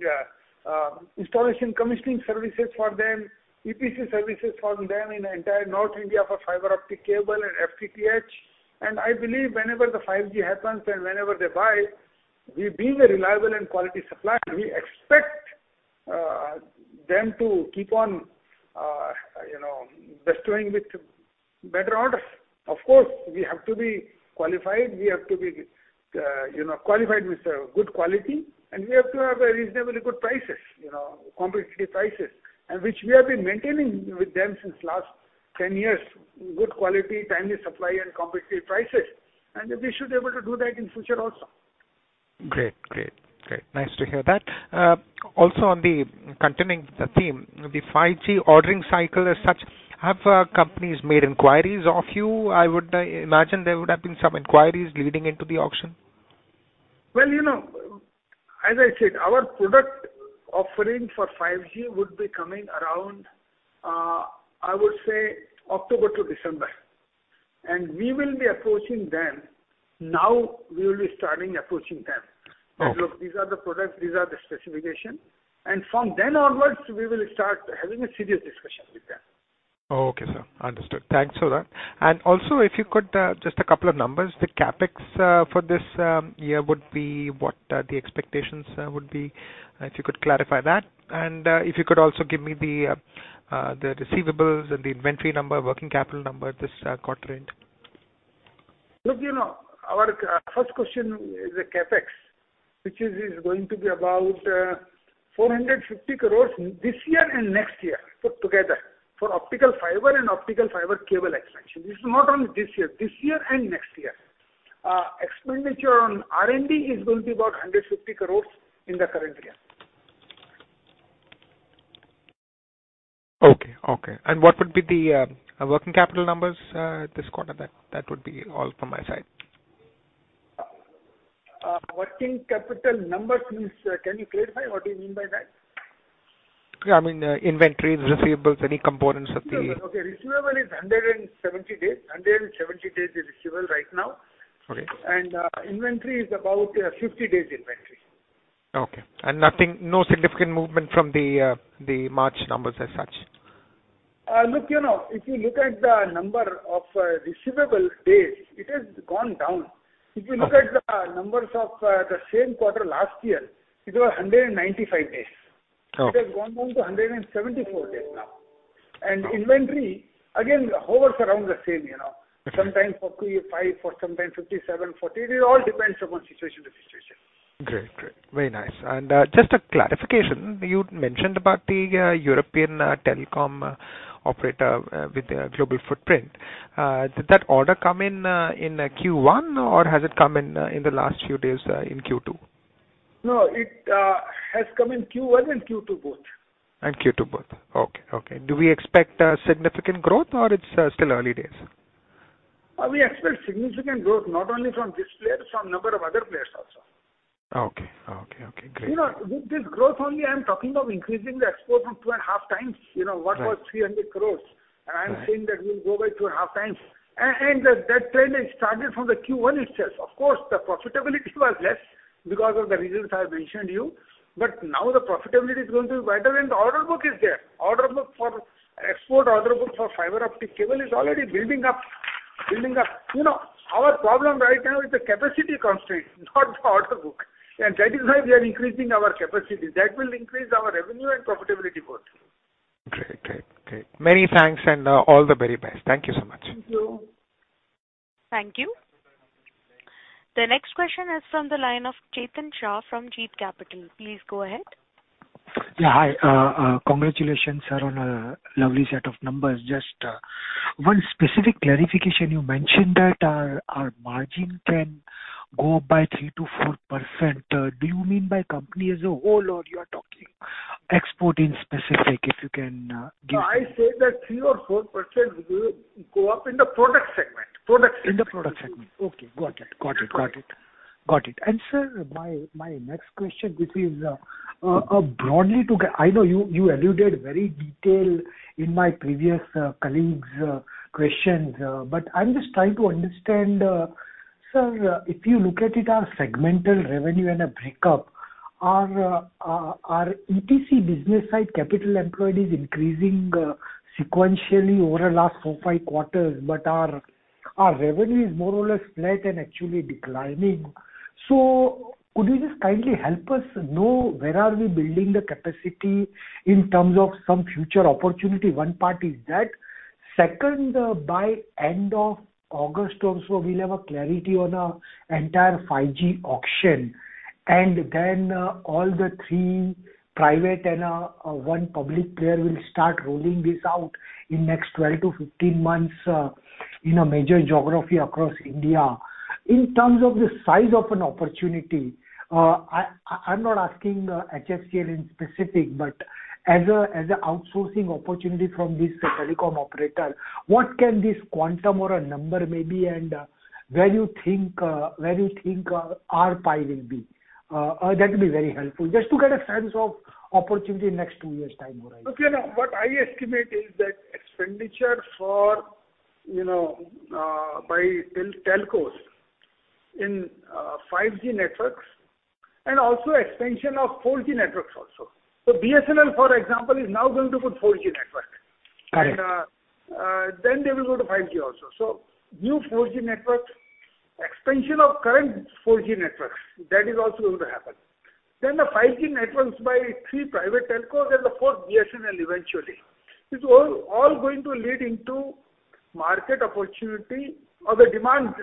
installation commissioning services for them, EPC services for them in entire North India for fiber optic cable and FTTH. I believe whenever the 5G happens and whenever they buy, we being a reliable and quality supplier, we expect them to keep on you know bestowing with better orders. Of course, we have to be qualified. We have to be, you know, qualified with good quality, and we have to have a reasonably good prices, you know, competitive prices, and which we have been maintaining with them since last ten years, good quality, timely supply and competitive prices. We should be able to do that in future also. Great. Nice to hear that. Also on continuing the theme, the 5G ordering cycle as such, have companies made inquiries of you? I would imagine there would have been some inquiries leading into the auction. Well, you know, as I said, our product offering for 5G would be coming around, I would say October to December. We will be approaching them. Now we will be starting approaching them. Okay. That, look, these are the products, these are the specifications. From then onwards, we will start having a serious discussion with them. Oh, okay, sir. Understood. Thanks for that. Also, if you could just give a couple of numbers, the CapEx for this year would be what, the expectations would be, if you could clarify that. If you could also give me the receivables and the inventory number, working capital number this quarter end. Look, you know, our first question is the CapEx, which is going to be about 450 crore this year and next year put together for optical fiber and optical fiber cable expansion. This is not only this year and next year. Expenditure on R&D is going to be about 150 crore in the current year. Okay. What would be the working capital numbers this quarter? That would be all from my side. Working capital numbers means, can you clarify what do you mean by that? Yeah, I mean, inventory, receivables, any components of the. Receivable is 170 days right now. Okay. Inventory is about 50 days inventory. Okay. Nothing, no significant movement from the March numbers as such. Look, you know, if you look at the number of receivable days, it has gone down. Okay. If you look at the numbers of the same quarter last year, it was 195 days. Oh. It has gone down to 174 days now. Oh. Inventory, again, hovers around the same, you know. Okay. Sometimes 45, sometimes 57, 40. It all depends upon situation to situation. Great. Very nice. Just a clarification. You mentioned about the European telecom operator with a global footprint. Did that order come in in Q1, or has it come in in the last few days in Q2? No, it has come in Q1 and Q2 both. Q2 both. Okay. Do we expect significant growth or it's still early days? We expect significant growth, not only from this player, from number of other players also. Okay. Great. You know, with this growth only, I'm talking of increasing the export of 2.5x, you know. Right. What was 300 crores? Right. I'm saying that we'll go by 2.5x. That trend has started from the Q1 itself. Of course, the profitability was less because of the reasons I mentioned to you. But now the profitability is going to be better, and the order book is there. Order book for export, order book for fiber optic cable is already building up. You know, our problem right now is the capacity constraint, not the order book. That is why we are increasing our capacity. That will increase our revenue and profitability both. Great. Many thanks and all the very best. Thank you so much. Thank you. Thank you. The next question is from the line of Chetan Shah from Jeet Capital. Please go ahead. Yeah, hi. Congratulations, sir, on a lovely set of numbers. Just one specific clarification. You mentioned that our margin can go up by 3%-4%. Do you mean by company as a whole, or you are talking export in specific? If you can give- No, I said that 3%-4% will go up in the product segment. Product segment. In the product segment. Okay, got it. Sir, my next question, which is broadly to get. I know you alluded to in great detail in my previous colleague's questions, but I'm just trying to understand. Sir, if you look at it, our segmental revenue and a break-up, our EPC business side capital employed is increasing sequentially over the last four, five quarters. Our revenue is more or less flat and actually declining. Could you just kindly help us know where are we building the capacity in terms of some future opportunity? One part is that. Second, by end of August or so, we'll have a clarity on our entire 5G auction, and then, all the three private and one public player will start rolling this out in next 12 months-15 months, in a major geography across India. In terms of the size of an opportunity, I'm not asking HFCL in specific, but as a outsourcing opportunity from this telecom operator, what can this quantum or a number may be and, where you think our pie will be? That will be very helpful, just to get a sense of opportunity in next two years time horizon. Okay. Now, what I estimate is that expenditure for, you know, by telcos in 5G networks and also expansion of 4G networks also. BSNL, for example, is now going to put 4G network. Right. They will go to 5G also. New 4G network, expansion of current 4G networks, that is also going to happen. The 5G networks by three private telcos, then the fourth BSNL eventually. It's all going to lead into market opportunity or the demand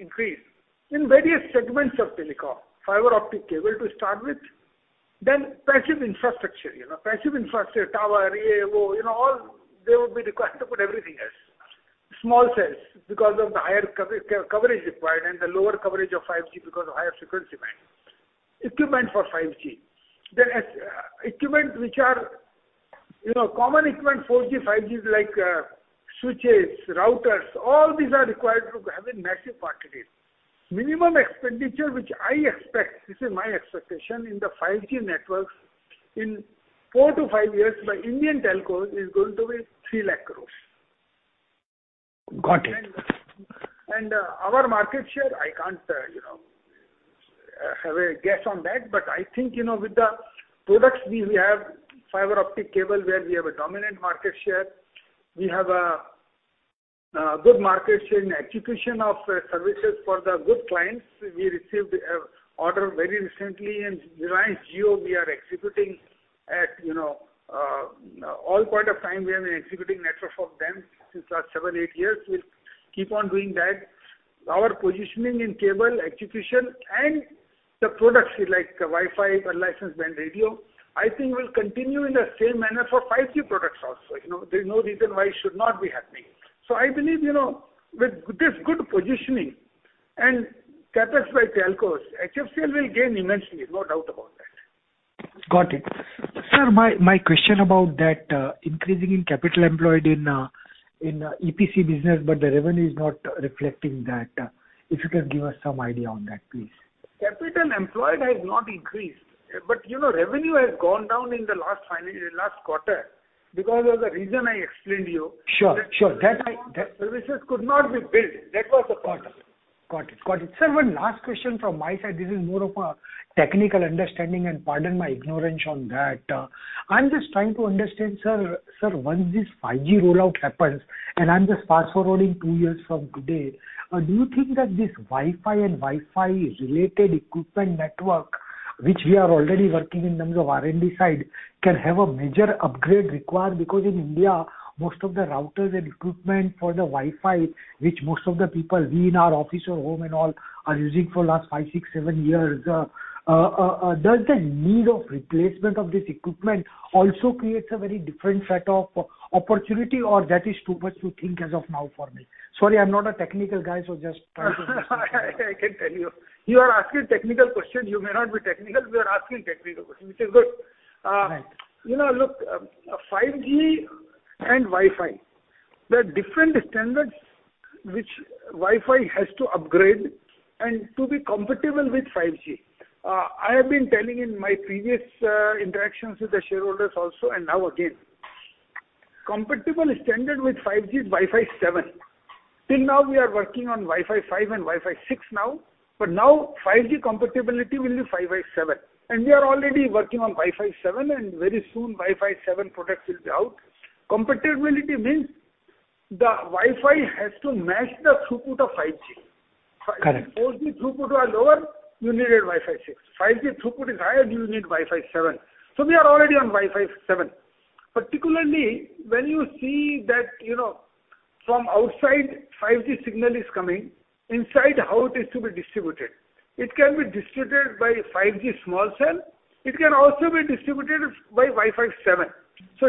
increase in various segments of telecom. Fiber optic cable to start with. Passive infrastructure, you know. Passive infrastructure, tower, AVO, you know, all they would be required to put everything else. Small cells, because of the higher coverage required and the lower coverage of 5G because of higher frequency band. Equipment for 5G. Equipment which are, you know, common equipment, 4G, 5G, like, switches, routers, all these are required to have a massive quantities. Minimum expenditure which I expect, this is my expectation, in the 5G networks in four-five years by Indian telcos is going to be 300,000 crore. Got it. Our market share, I can't have a guess on that. I think, you know, with the products we have, fiber optic cable, where we have a dominant market share. We have a good market share in execution of services for the good clients. We received a order very recently. Reliance Jio, we are executing at all points in time, we have been executing network for them since last seven-eight years. We'll keep on doing that. Our positioning in cable execution and the products like Wi-Fi, unlicensed band radio, I think will continue in the same manner for 5G products also. You know, there's no reason why it should not be happening. I believe, you know, with this good positioning and CapEx by telcos, HFCL will gain immensely. No doubt about that. Got it. Sir, my question about that, increasing in capital employed in EPC business, but the revenue is not reflecting that. If you can give us some idea on that, please. Capital employed has not increased. You know, revenue has gone down in the last financial quarter. Because of the reason I explained to you. Sure. Services could not be built. That was the problem. Got it. Sir, one last question from my side. This is more of a technical understanding, and pardon my ignorance on that. I'm just trying to understand, sir. Sir, once this 5G rollout happens, and I'm just fast-forwarding two years from today, do you think that this Wi-Fi and Wi-Fi related equipment network, which we are already working in terms of R&D side, can have a major upgrade required? Because in India, most of the routers and equipment for the Wi-Fi, which most of the people, we in our office or home and all, are using for last five, six, seven years. Does the need of replacement of this equipment also creates a very different set of opportunity or that is too much to think as of now for me? Sorry, I'm not a technical guy, so just trying to understand. I can tell you. You are asking technical questions. You may not be technical, but you are asking technical questions, which is good. Right. You know, look, 5G and Wi-Fi, there are different standards which Wi-Fi has to upgrade and to be compatible with 5G. I have been telling in my previous interactions with the shareholders also and now again. Compatible standard with 5G is Wi-Fi 7. Till now we are working on Wi-Fi 5 and Wi-Fi 6 now. Now 5G compatibility will be Wi-Fi 7. We are already working on Wi-Fi 7, and very soon Wi-Fi 7 products will be out. Compatibility means the Wi-Fi has to match the throughput of 5G. Correct. If 4G throughput were lower, you needed Wi-Fi 6. 5G throughput is higher, you need Wi-Fi 7. We are already on Wi-Fi 7. Particularly when you see that, you know, from outside 5G signal is coming, inside how it is to be distributed. It can be distributed by 5G small cell. It can also be distributed by Wi-Fi 7.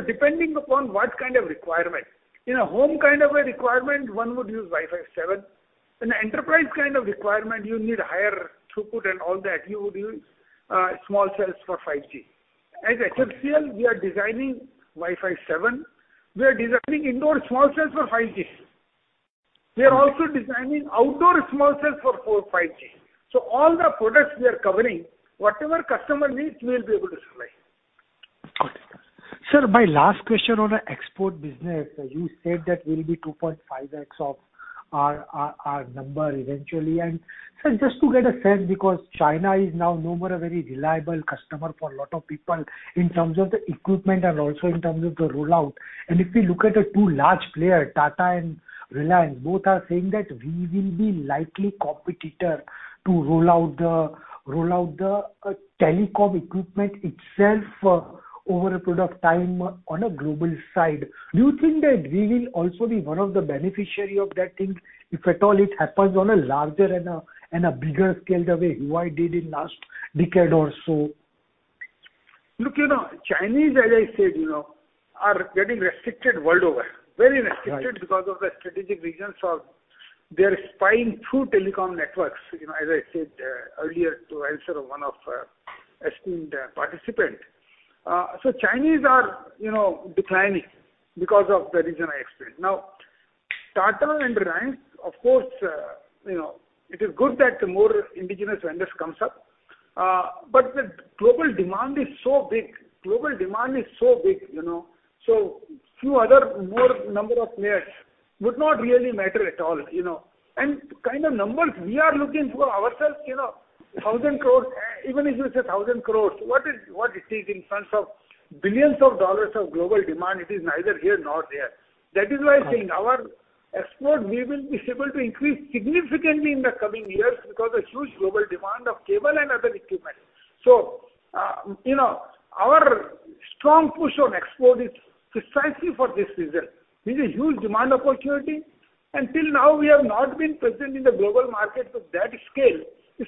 Depending upon what kind of requirement. In a home kind of a requirement, one would use Wi-Fi 7. In an enterprise kind of a requirement, you need higher throughput and all that. You would use small cells for 5G. As HFCL, we are designing Wi-Fi 7. We are designing indoor small cells for 5G. We are also designing outdoor small cells for 4, 5G. All the products we are covering, whatever customer needs, we will be able to supply. Got it. Sir, my last question on the export business. You said that will be 2.5x of our number eventually. Sir, just to get a sense, because China is now no more a very reliable customer for a lot of people in terms of the equipment and also in terms of the rollout. If we look at the two large players, Tata and Reliance, both are saying that we will be likely competitors to roll out the telecom equipment itself over a period of time on a global side. Do you think that we will also be one of the beneficiaries of that thing, if at all it happens on a larger and a bigger scale, the way Huawei did in the last decade or so? Look, you know, Chinese, as I said, you know, are getting restricted world over, very restricted. Right. Because of the strategic reasons of their spying through telecom networks. You know, as I said earlier to answer one of esteemed participant. Chinese are, you know, declining because of the reason I explained. Now, Tata and Reliance, of course, you know, it is good that more indigenous vendors comes up. But the global demand is so big. Global demand is so big, you know. Few other more number of players would not really matter at all, you know. Kind of numbers we are looking for ourselves, you know, 1,000 crore, even if you say 1,000 crore, what is, what it is in terms of billions of dollars of global demand, it is neither here nor there. That is why I'm saying our export, we will be able to increase significantly in the coming years because of huge global demand of cable and other equipment. You know, our strong push on export is precisely for this reason. This is huge demand opportunity. Till now we have not been present in the global market to that scale.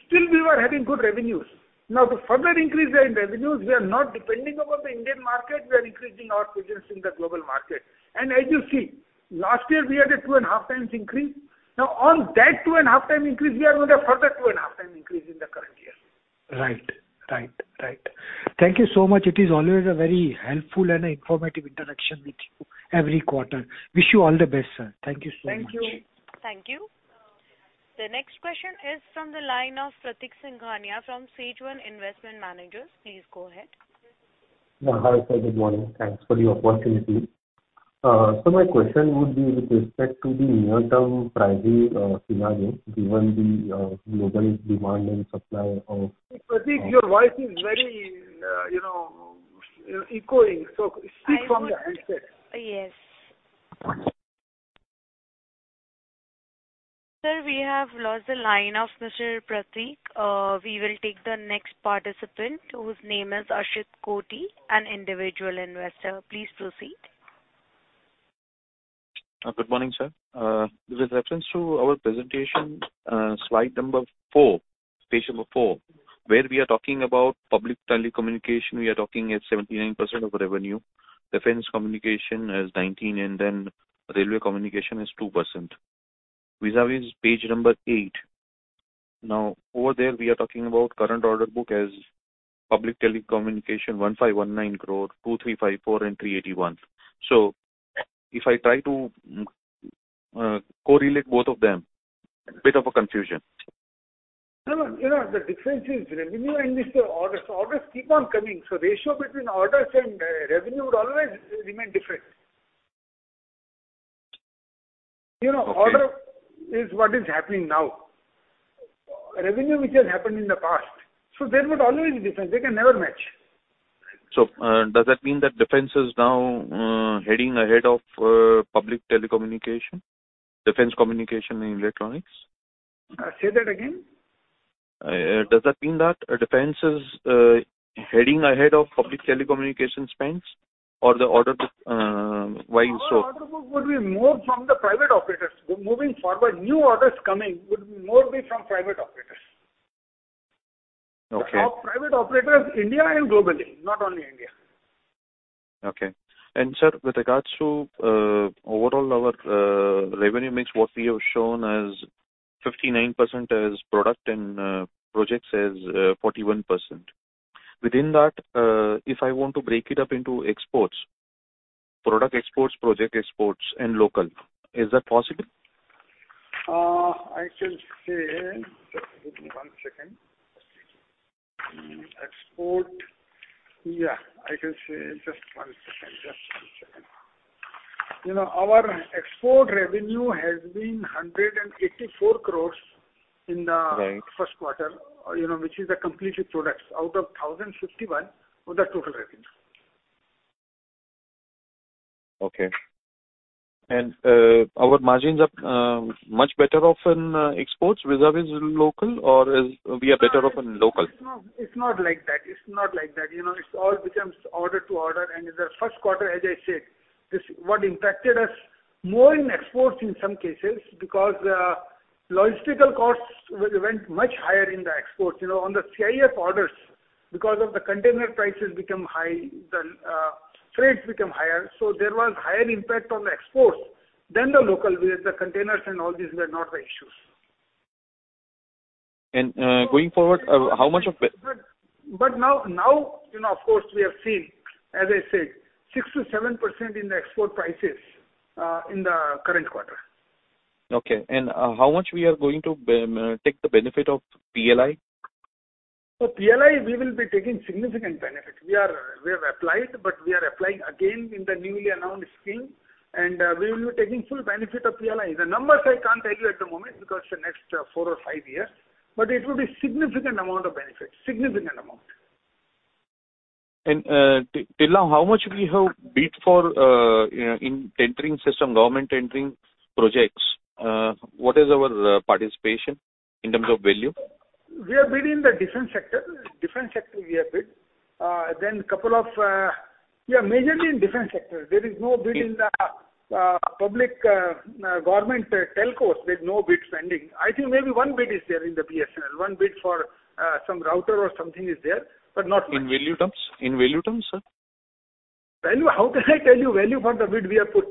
Still we were having good revenues. Now to further increase the revenues, we are not depending upon the Indian market. We are increasing our presence in the global market. As you see, last year we had a 2.5x increase. Now on that 2.5x increase, we are going to have further 2.5x increase in the current year. Right. Thank you so much. It is always a very helpful and informative interaction with you every quarter. Wish you all the best, sir. Thank you so much. Thank you. Thank you. The next question is from the line of Pratik Singhania from SageOne Investment Managers. Please go ahead. Hi, sir. Good morning. Thanks for the opportunity. My question would be with respect to the near term pricing scenario, given the global demand and supply of- Pratik, your voice is very, you know, echoing. Speak from there instead. Yes. Sir, we have lost the line of Mr. Pratik. We will take the next participant, whose name is Ashutosh Koti, an individual investor. Please proceed. Good morning, sir. With reference to our presentation, slide number 4, page number 4, where we are talking about public telecommunication, we are talking at 79% of revenue, defense communication as 19%, and then railway communication is 2%. Vis-à-vis page number 8. Now, over there we are talking about current order book as public telecommunication 1,519 crore, 2,354 crore and 381 crore. If I try to correlate both of them, bit of a confusion. No, no. You know, the difference is revenue and is the orders. Orders keep on coming, so ratio between orders and revenue would always remain different. Okay. This is what is happening now. Revenue, which has happened in the past. There would always be difference. They can never match. Does that mean that defense is now heading ahead of public telecommunication, defense communication in electronics? Say that again. Does that mean that defense is heading ahead of public telecommunication spends or the order, why so? Our order book would be more from the private operators. Moving forward, new orders coming would more be from private operators. Okay. Private-operators India and globally, not only India. Okay. Sir, with regards to overall our revenue mix, what we have shown as 59% as product and projects as 41%. Within that, if I want to break it up into exports, product exports, project exports, and local, is that possible? You know, our export revenue has been 184 crore in the- Right. First quarter, you know, which is the completed products out of 1,061 with the total revenue. Okay. Our margins are much better off in exports Vis-à-vis local or is it better off in local? It's not like that. You know, it all becomes order to order. In the first quarter, as I said, this, what impacted us more in exports in some cases because logistical costs went much higher in the exports, you know, on the CIF orders because of the container prices become high, the rates become higher. There was higher impact on the exports than the local where the containers and all these were not the issues. Going forward, how much of Now you know of course we have seen, as I said, 6%-7% in the export prices in the current quarter. Okay. How much we are going to take the benefit of PLI? PLI, we will be taking significant benefit. We are, we have applied, but we are applying again in the newly announced scheme, and we will be taking full benefit of PLI. The numbers I can't tell you at the moment because in the next four or five years, but it will be significant amount of benefit, significant amount. Till now, how much we have bid for in tendering system, government tendering projects, what is our participation in terms of value? We have bid in the defense sector. Then couple of, majorly in defense sector. There is no bid in the public government telcos. There's no bids pending. I think maybe one bid is there in the BSNL. One bid for some router or something is there, but not much. In value terms, sir. Value, how can I tell you value for the bid we have put?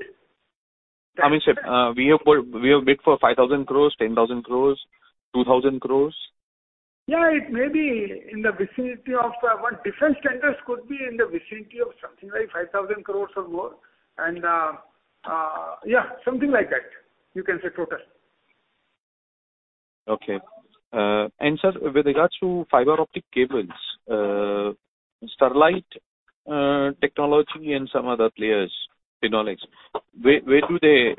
I mean, sir, we have put, we have bid for 5,000 crore, 10,000 crore, 2,000 crore. It may be in the vicinity of. Defense tenders could be in the vicinity of something like 5,000 crore or more and, something like that you can say total. Okay. Sir, with regards to fiber optic cables, Sterlite Technologies and some other players, Finolex, where do they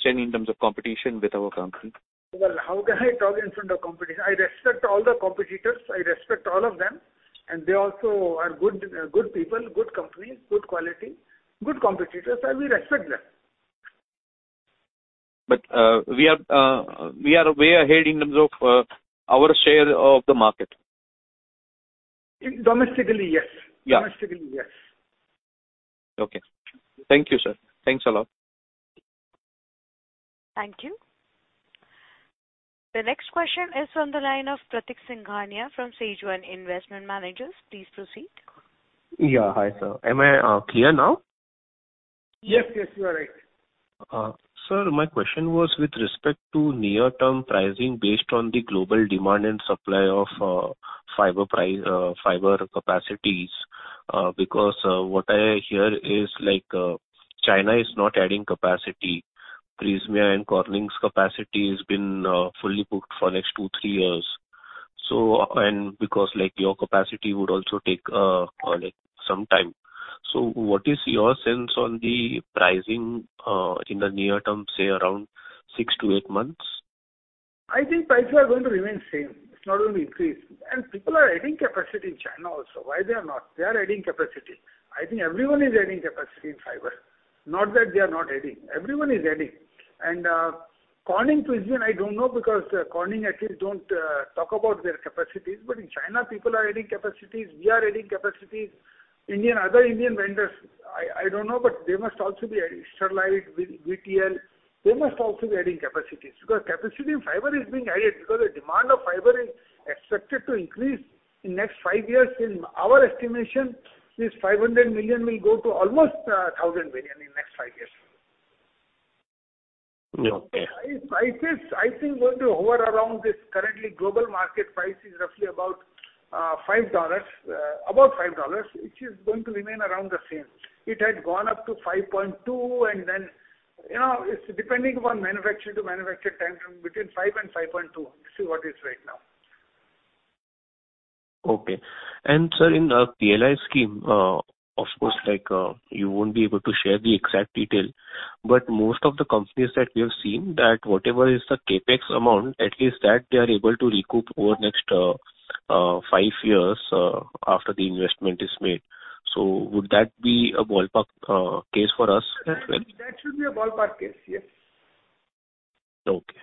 stand in terms of competition with our company? Well, how can I talk in front of competition? I respect all the competitors. I respect all of them. They also are good people, good companies, good quality, good competitors, and we respect them. We are way ahead in terms of our share of the market. Domestically, yes. Yeah. Domestically, yes. Okay. Thank you, sir. Thanks a lot. Thank you. The next question is on the line of Pratik Singhania from SageOne Investment Managers. Please proceed. Yeah. Hi sir. Am I clear now? Yes. Yes, you are right. Sir, my question was with respect to near-term pricing based on the global demand and supply of fiber capacities. Because what I hear is, like, China is not adding capacity. Prysmian, Corning's capacity has been fully booked for next two-three years. And because, like, your capacity would also take like some time. What is your sense on the pricing in the near term, say around six-eight months? I think prices are going to remain same. It's not going to increase. People are adding capacity in China also. Why they are not? They are adding capacity. I think everyone is adding capacity in fiber. Not that they are not adding. Everyone is adding. Corning, Prysmian, I don't know because Corning at least don't talk about their capacities. In China people are adding capacities. We are adding capacities. Other Indian vendors, I don't know, but Sterlite, Birla Cable must also be adding capacities because capacity in fiber is being added because the demand of fiber is expected to increase in next five years. In our estimation, this 500 million will go to almost 1,000 million in next five years. Okay. Prices I think going to hover around this. Currently global market price is roughly about $5, above $5, which is going to remain around the same. It had gone up to $5.2, and then, you know, it's depending upon manufacturer to manufacturer time between $5-$5.2. This is what is right now. Okay. Sir, in the PLI scheme, of course, like, you won't be able to share the exact detail, but most of the companies that we have seen that whatever is the CapEx amount, at least that they are able to recoup over next five years after the investment is made. Would that be a ballpark case for us? That should be a ballpark case. Yes. Okay.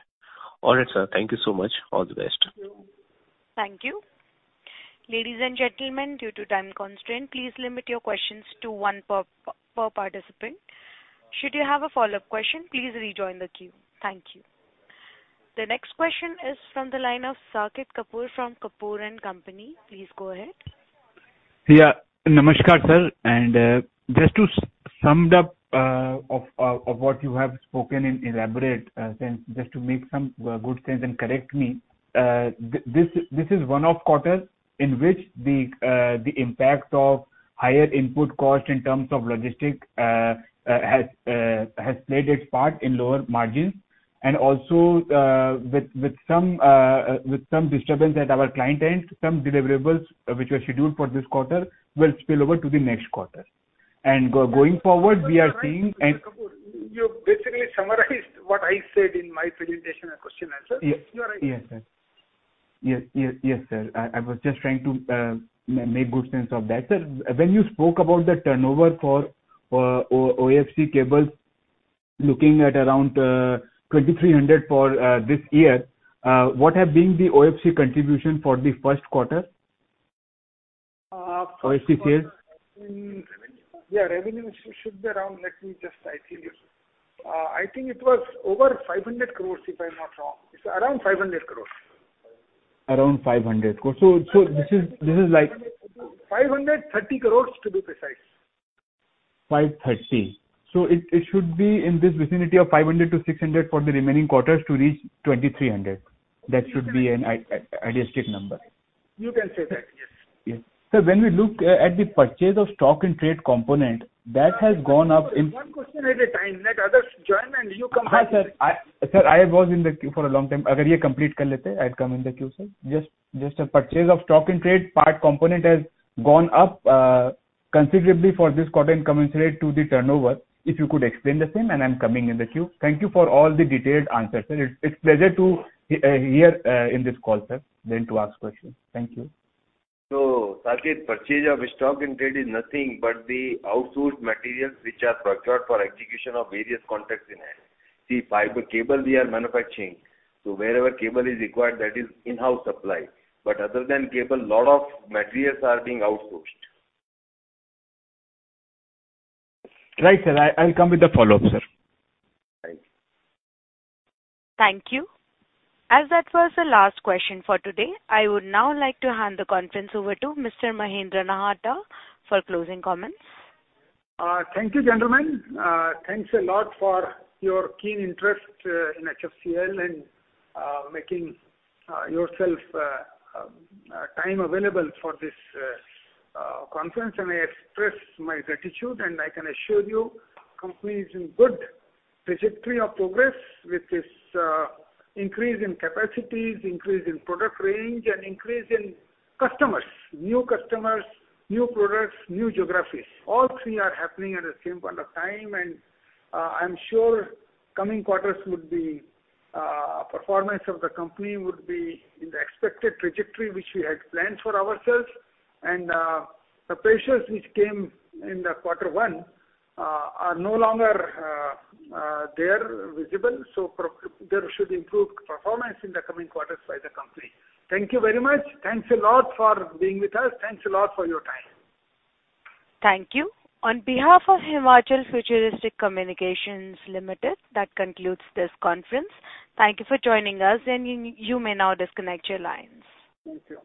All right, sir. Thank you so much. All the best. Thank you. Thank you. Ladies and gentlemen, due to time constraint, please limit your questions to one per participant. Should you have a follow-up question, please rejoin the queue. Thank you. The next question is from the line of Saket Kapoor from Kapoor & Company. Please go ahead. Namaskar, sir. Just to sum up of what you have spoken and elaborate, then just to make some good sense and correct me, this is one quarter in which the impact of higher input cost in terms of logistics has played its part in lower margins and also, with some disturbance at our client end, some deliverables which were scheduled for this quarter will spill over to the next quarter. Going forward, we are seeing and Kapoor, you basically summarized what I said in my presentation and question answer. You are right. Yes, sir. I was just trying to make good sense of that. Sir, when you spoke about the turnover for OFC cables looking at around 2,300 for this year, what have been the OFC contribution for the first quarter? Uh. OFC sales. Yeah. Revenue should be around. I think it was over 500 crore, if I'm not wrong. It's around 500 crore. Around 500 crore. This is 530 crore to be precise. 530. It should be in this vicinity of 500-600 for the remaining quarters to reach 2,300. That should be an idealistic number. You can say that, yes. Yes. Sir, when we look at the purchase of stock-in-trade component that has gone up in- One question at a time. Let others join and you come back. Sir, I was in the queue for a long time. If you complete, I'd come in the queue, sir. Just a purchase of stock and trade part component has gone up considerably for this quarter incommensurate to the turnover. If you could explain the same and I'm coming in the queue. Thank you for all the detailed answers. It's a pleasure to hear in this call, sir, than to ask questions. Thank you. Saket Kapoor, purchase of stock-in-trade is nothing but the outsourced materials which are procured for execution of various contracts in hand. See, fiber cable we are manufacturing, so wherever cable is required that is in-house supply. Other than cable, lot of materials are being outsourced. Right, sir. I'll come with a follow-up, sir. Thank you. Thank you. As that was the last question for today, I would now like to hand the conference over to Mahendra Nahata for closing comments. Thank you, gentlemen. Thanks a lot for your keen interest in HFCL and making yourself available for this conference. I express my gratitude, and I can assure you the company is in good trajectory of progress with this increase in capacities, increase in product range and increase in customers, new customers, new products, new geographies. All three are happening at the same point of time. I'm sure the performance of the company in coming quarters would be in the expected trajectory which we had planned for ourselves. The pressures which came in the Q1 are no longer visible. There should be improved performance in the coming quarters by the company. Thank you very much. Thanks a lot for being with us. Thanks a lot for your time. Thank you. On behalf of Himachal Futuristic Communications Limited, that concludes this conference. Thank you for joining us, and you may now disconnect your lines. Thank you.